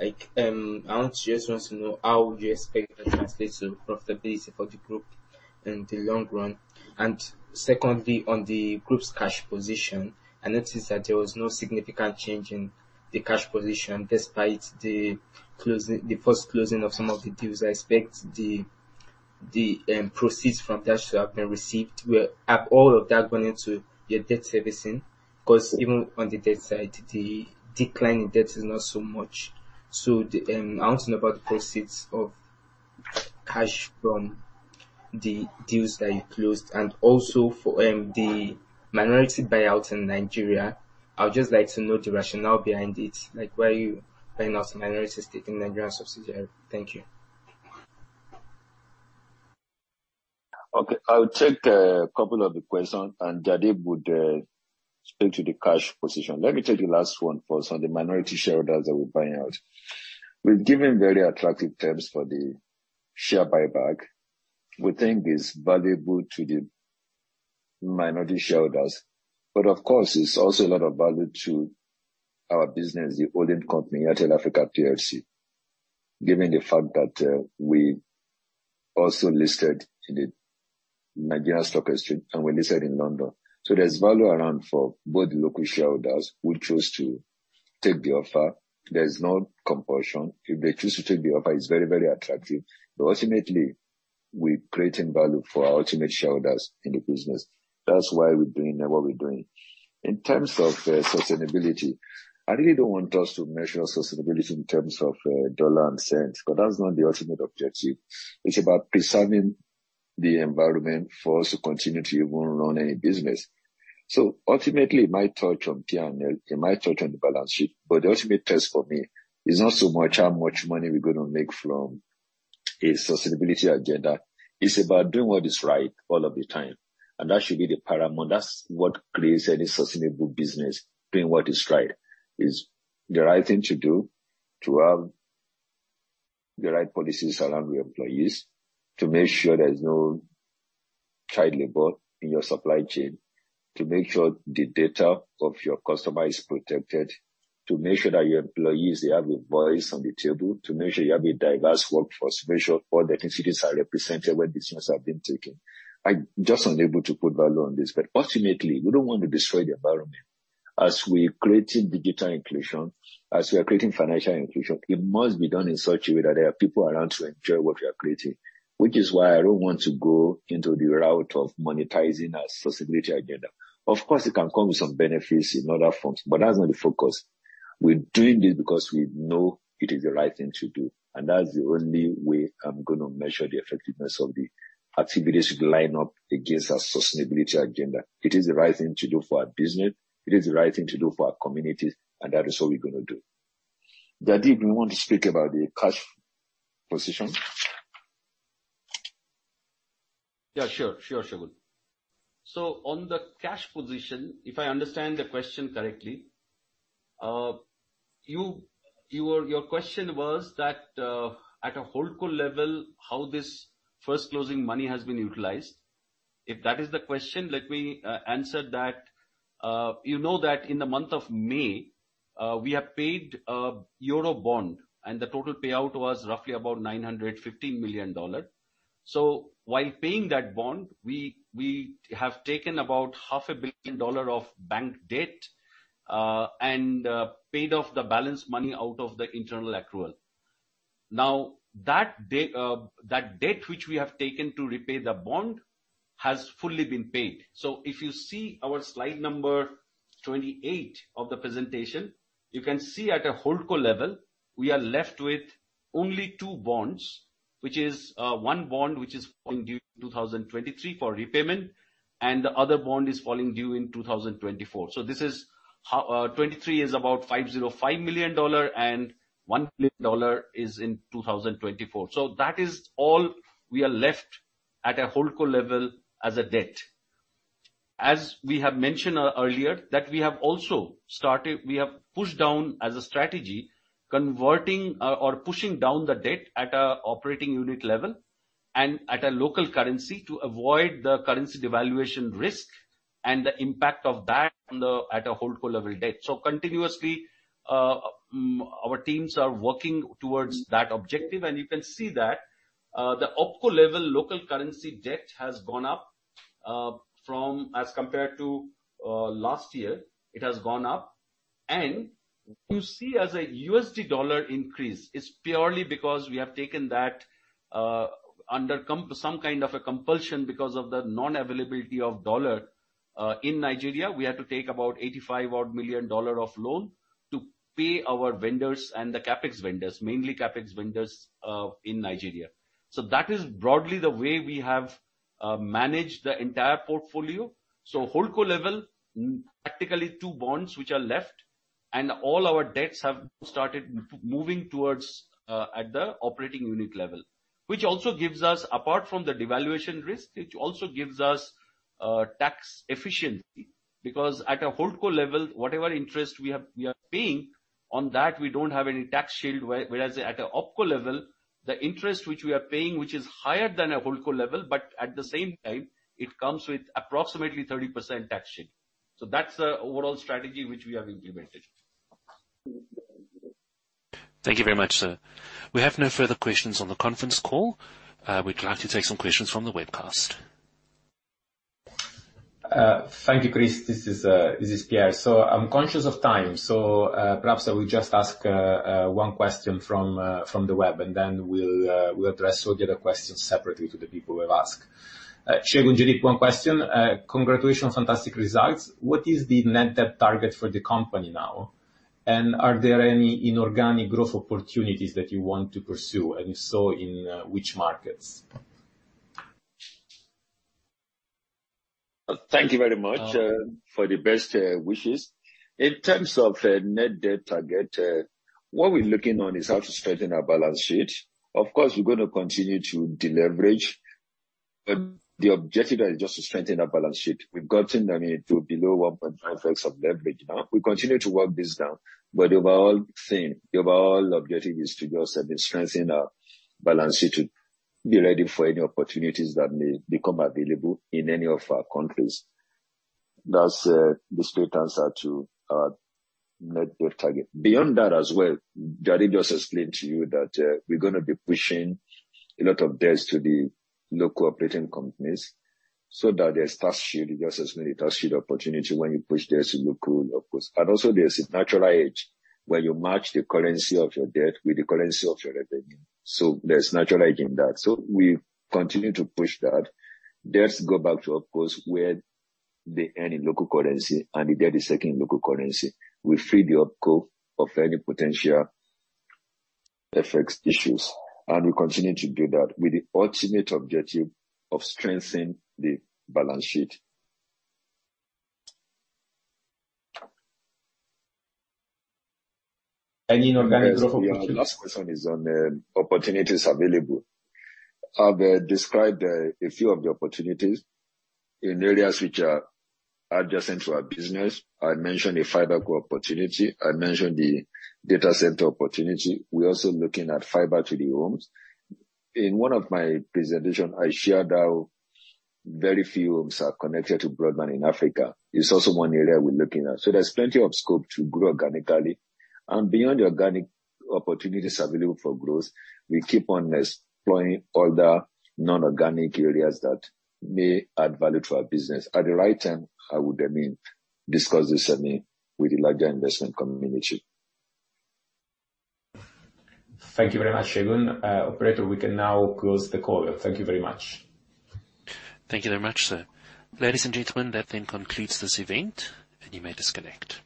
Like, I want to know how would you expect that translates to profitability for the group in the long run? Secondly, on the group's cash position, I noticed that there was no significant change in the cash position despite the closing, the first closing of some of the deals. I expect the proceeds from that to have been received. Have all of that gone into your debt servicing? Because even on the debt side, the decline in debt is not so much. I want to know about the cash proceeds from the deals that you closed. Also, for the minority buyouts in Nigeria, I would just like to know the rationale behind it. Like why are you buying out minority stake in Nigerian subsidiary? Thank you. Okay. I'll take a couple of the questions and Jaideep would speak to the cash position. Let me take the last one first on the minority shareholders that we're buying out. We've given very attractive terms for the share buyback. We think it's valuable to the minority shareholders, but of course it's also a lot of value to our business, the holding company, Airtel Africa PLC, given the fact that we also listed in the Nigerian Stock Exchange and we listed in London. There's value around for both local shareholders who choose to take the offer. There's no compulsion. If they choose to take the offer it's very, very attractive. Ultimately we're creating value for our ultimate shareholders in the business. That's why we're doing what we're doing. In terms of sustainability, I really don't want us to measure sustainability in terms of dollar and cents, because that's not the ultimate objective. It's about preserving the environment for us to continue to even run any business. Ultimately it might touch on P&L, it might touch on the balance sheet, but the ultimate test for me is not so much how much money we're gonna make from a sustainability agenda. It's about doing what is right all of the time. That should be the paramount. That's what creates any sustainable business, doing what is right. It's the right thing to do to have the right policies around your employees to make sure there is no child labor in your supply chain, to make sure the data of your customer is protected, to make sure that your employees they have a voice on the table, to make sure you have a diverse workforce, to make sure all the ethnicities are represented when decisions have been taken. I'm just unable to put value on this, but ultimately, we don't want to destroy the environment. As we're creating digital inclusion, as we are creating financial inclusion, it must be done in such a way that there are people around to enjoy what we are creating. Which is why I don't want to go into the route of monetizing our sustainability agenda. Of course, it can come with some benefits in other forms, but that's not the focus. We're doing this because we know it is the right thing to do, and that's the only way I'm gonna measure the effectiveness of the activities should line up against our sustainability agenda. It is the right thing to do for our business. It is the right thing to do for our communities, and that is what we're gonna do. Jaideep, you want to speak about the cash flow position. Yeah, sure. Sure, Segun. On the cash position, if I understand the question correctly, you were—your question was that, at a HoldCo level, how this first closing money has been utilized. If that is the question, let me answer that. You know that in the month of May, we have paid a Euro bond, and the total payout was roughly about $950 million. While paying that bond, we have taken about half a billion dollars of bank debt, and paid off the balance money out of the internal accrual. Now that debt which we have taken to repay the bond has fully been paid. If you see our slide number 28 of the presentation, you can see at a HoldCo level, we are left with only two bonds, which is one bond which is falling due in 2023 for repayment, and the other bond is falling due in 2024. This is how 2023 is about $505 million and $1 billion is in 2024. That is all we are left at a HoldCo level as a debt. As we have mentioned earlier, we have also started pushing down as a strategy, converting or pushing down the debt at a operating unit level and at a local currency to avoid the currency devaluation risk and the impact of that on the HoldCo level debt. Continuously, our teams are working towards that objective, and you can see that the OpCo level local currency debt has gone up from as compared to last year. It has gone up. You see as a USD dollar increase. It's purely because we have taken that under some kind of a compulsion because of the non-availability of dollar in Nigeria. We had to take about $85 million of loan to pay our vendors and the CapEx vendors, mainly CapEx vendors, in Nigeria. That is broadly the way we have managed the entire portfolio. HoldCo level, practically two bonds which are left and all our debts have started moving towards at the operating unit level. Which also gives us, apart from the devaluation risk, tax efficiency. Because at a HoldCo level, whatever interest we have, we are paying on that, we don't have any tax shield whereas at a OpCo level, the interest which we are paying, which is higher than a HoldCo level, but at the same time it comes with approximately 30% tax shield. That's the overall strategy which we have implemented. Thank you very much, sir. We have no further questions on the conference call. We'd like to take some questions from the webcast. Thank you, Chris. This is Pier. I'm conscious of time. Perhaps I will just ask one question from the web, and then we'll address all the other questions separately to the people who have asked. Segun, Jaideep, one question. Congratulations, fantastic results. What is the net debt target for the company now? And are there any inorganic growth opportunities that you want to pursue, and if so, in which markets? Thank you very much for the best wishes. In terms of net debt target, what we're looking on is how to strengthen our balance sheet. Of course, we're gonna continue to deleverage. The objective there is just to strengthen our balance sheet. We've gotten, I mean, to below 1.9x of leverage now. We continue to work this down, but the overall thing, the overall objective is to just strengthen our balance sheet to be ready for any opportunities that may become available in any of our countries. That's the straight answer to our net debt target. Beyond that as well, Jaideep just explained to you that we're gonna be pushing a lot of debts to the local operating companies so that there's tax shield. Just as when a tax shield opportunity when you push debts to local, of course. Also there's a natural hedge where you match the currency of your debt with the currency of your revenue. There's natural hedge in that. We continue to push that. Debts go back to, of course, where they earn in local currency and the debt is taken in local currency. We free the OpCo of any potential FX issues, and we continue to do that with the ultimate objective of strengthening the balance sheet. Any inorganic growth opportunities? Yeah. Last question is on opportunities available. I've described a few of the opportunities in areas which are adjacent to our business. I mentioned a fiber co-opportunity. I mentioned the data center opportunity. We're also looking at fiber to the homes. In one of my presentation, I shared how very few homes are connected to broadband in Africa. It's also one area we're looking at. There's plenty of scope to grow organically. Beyond the organic opportunities available for growth, we keep on exploring other non-organic areas that may add value to our business. At the right time, I would, I mean, discuss this, I mean, with the larger investment community. Thank you very much, Segun. Operator, we can now close the call. Thank you very much. Thank you very much, sir. Ladies and gentlemen, that then concludes this event. You may disconnect.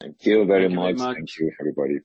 Thank you very much. Thank you very much. Thank you, everybody.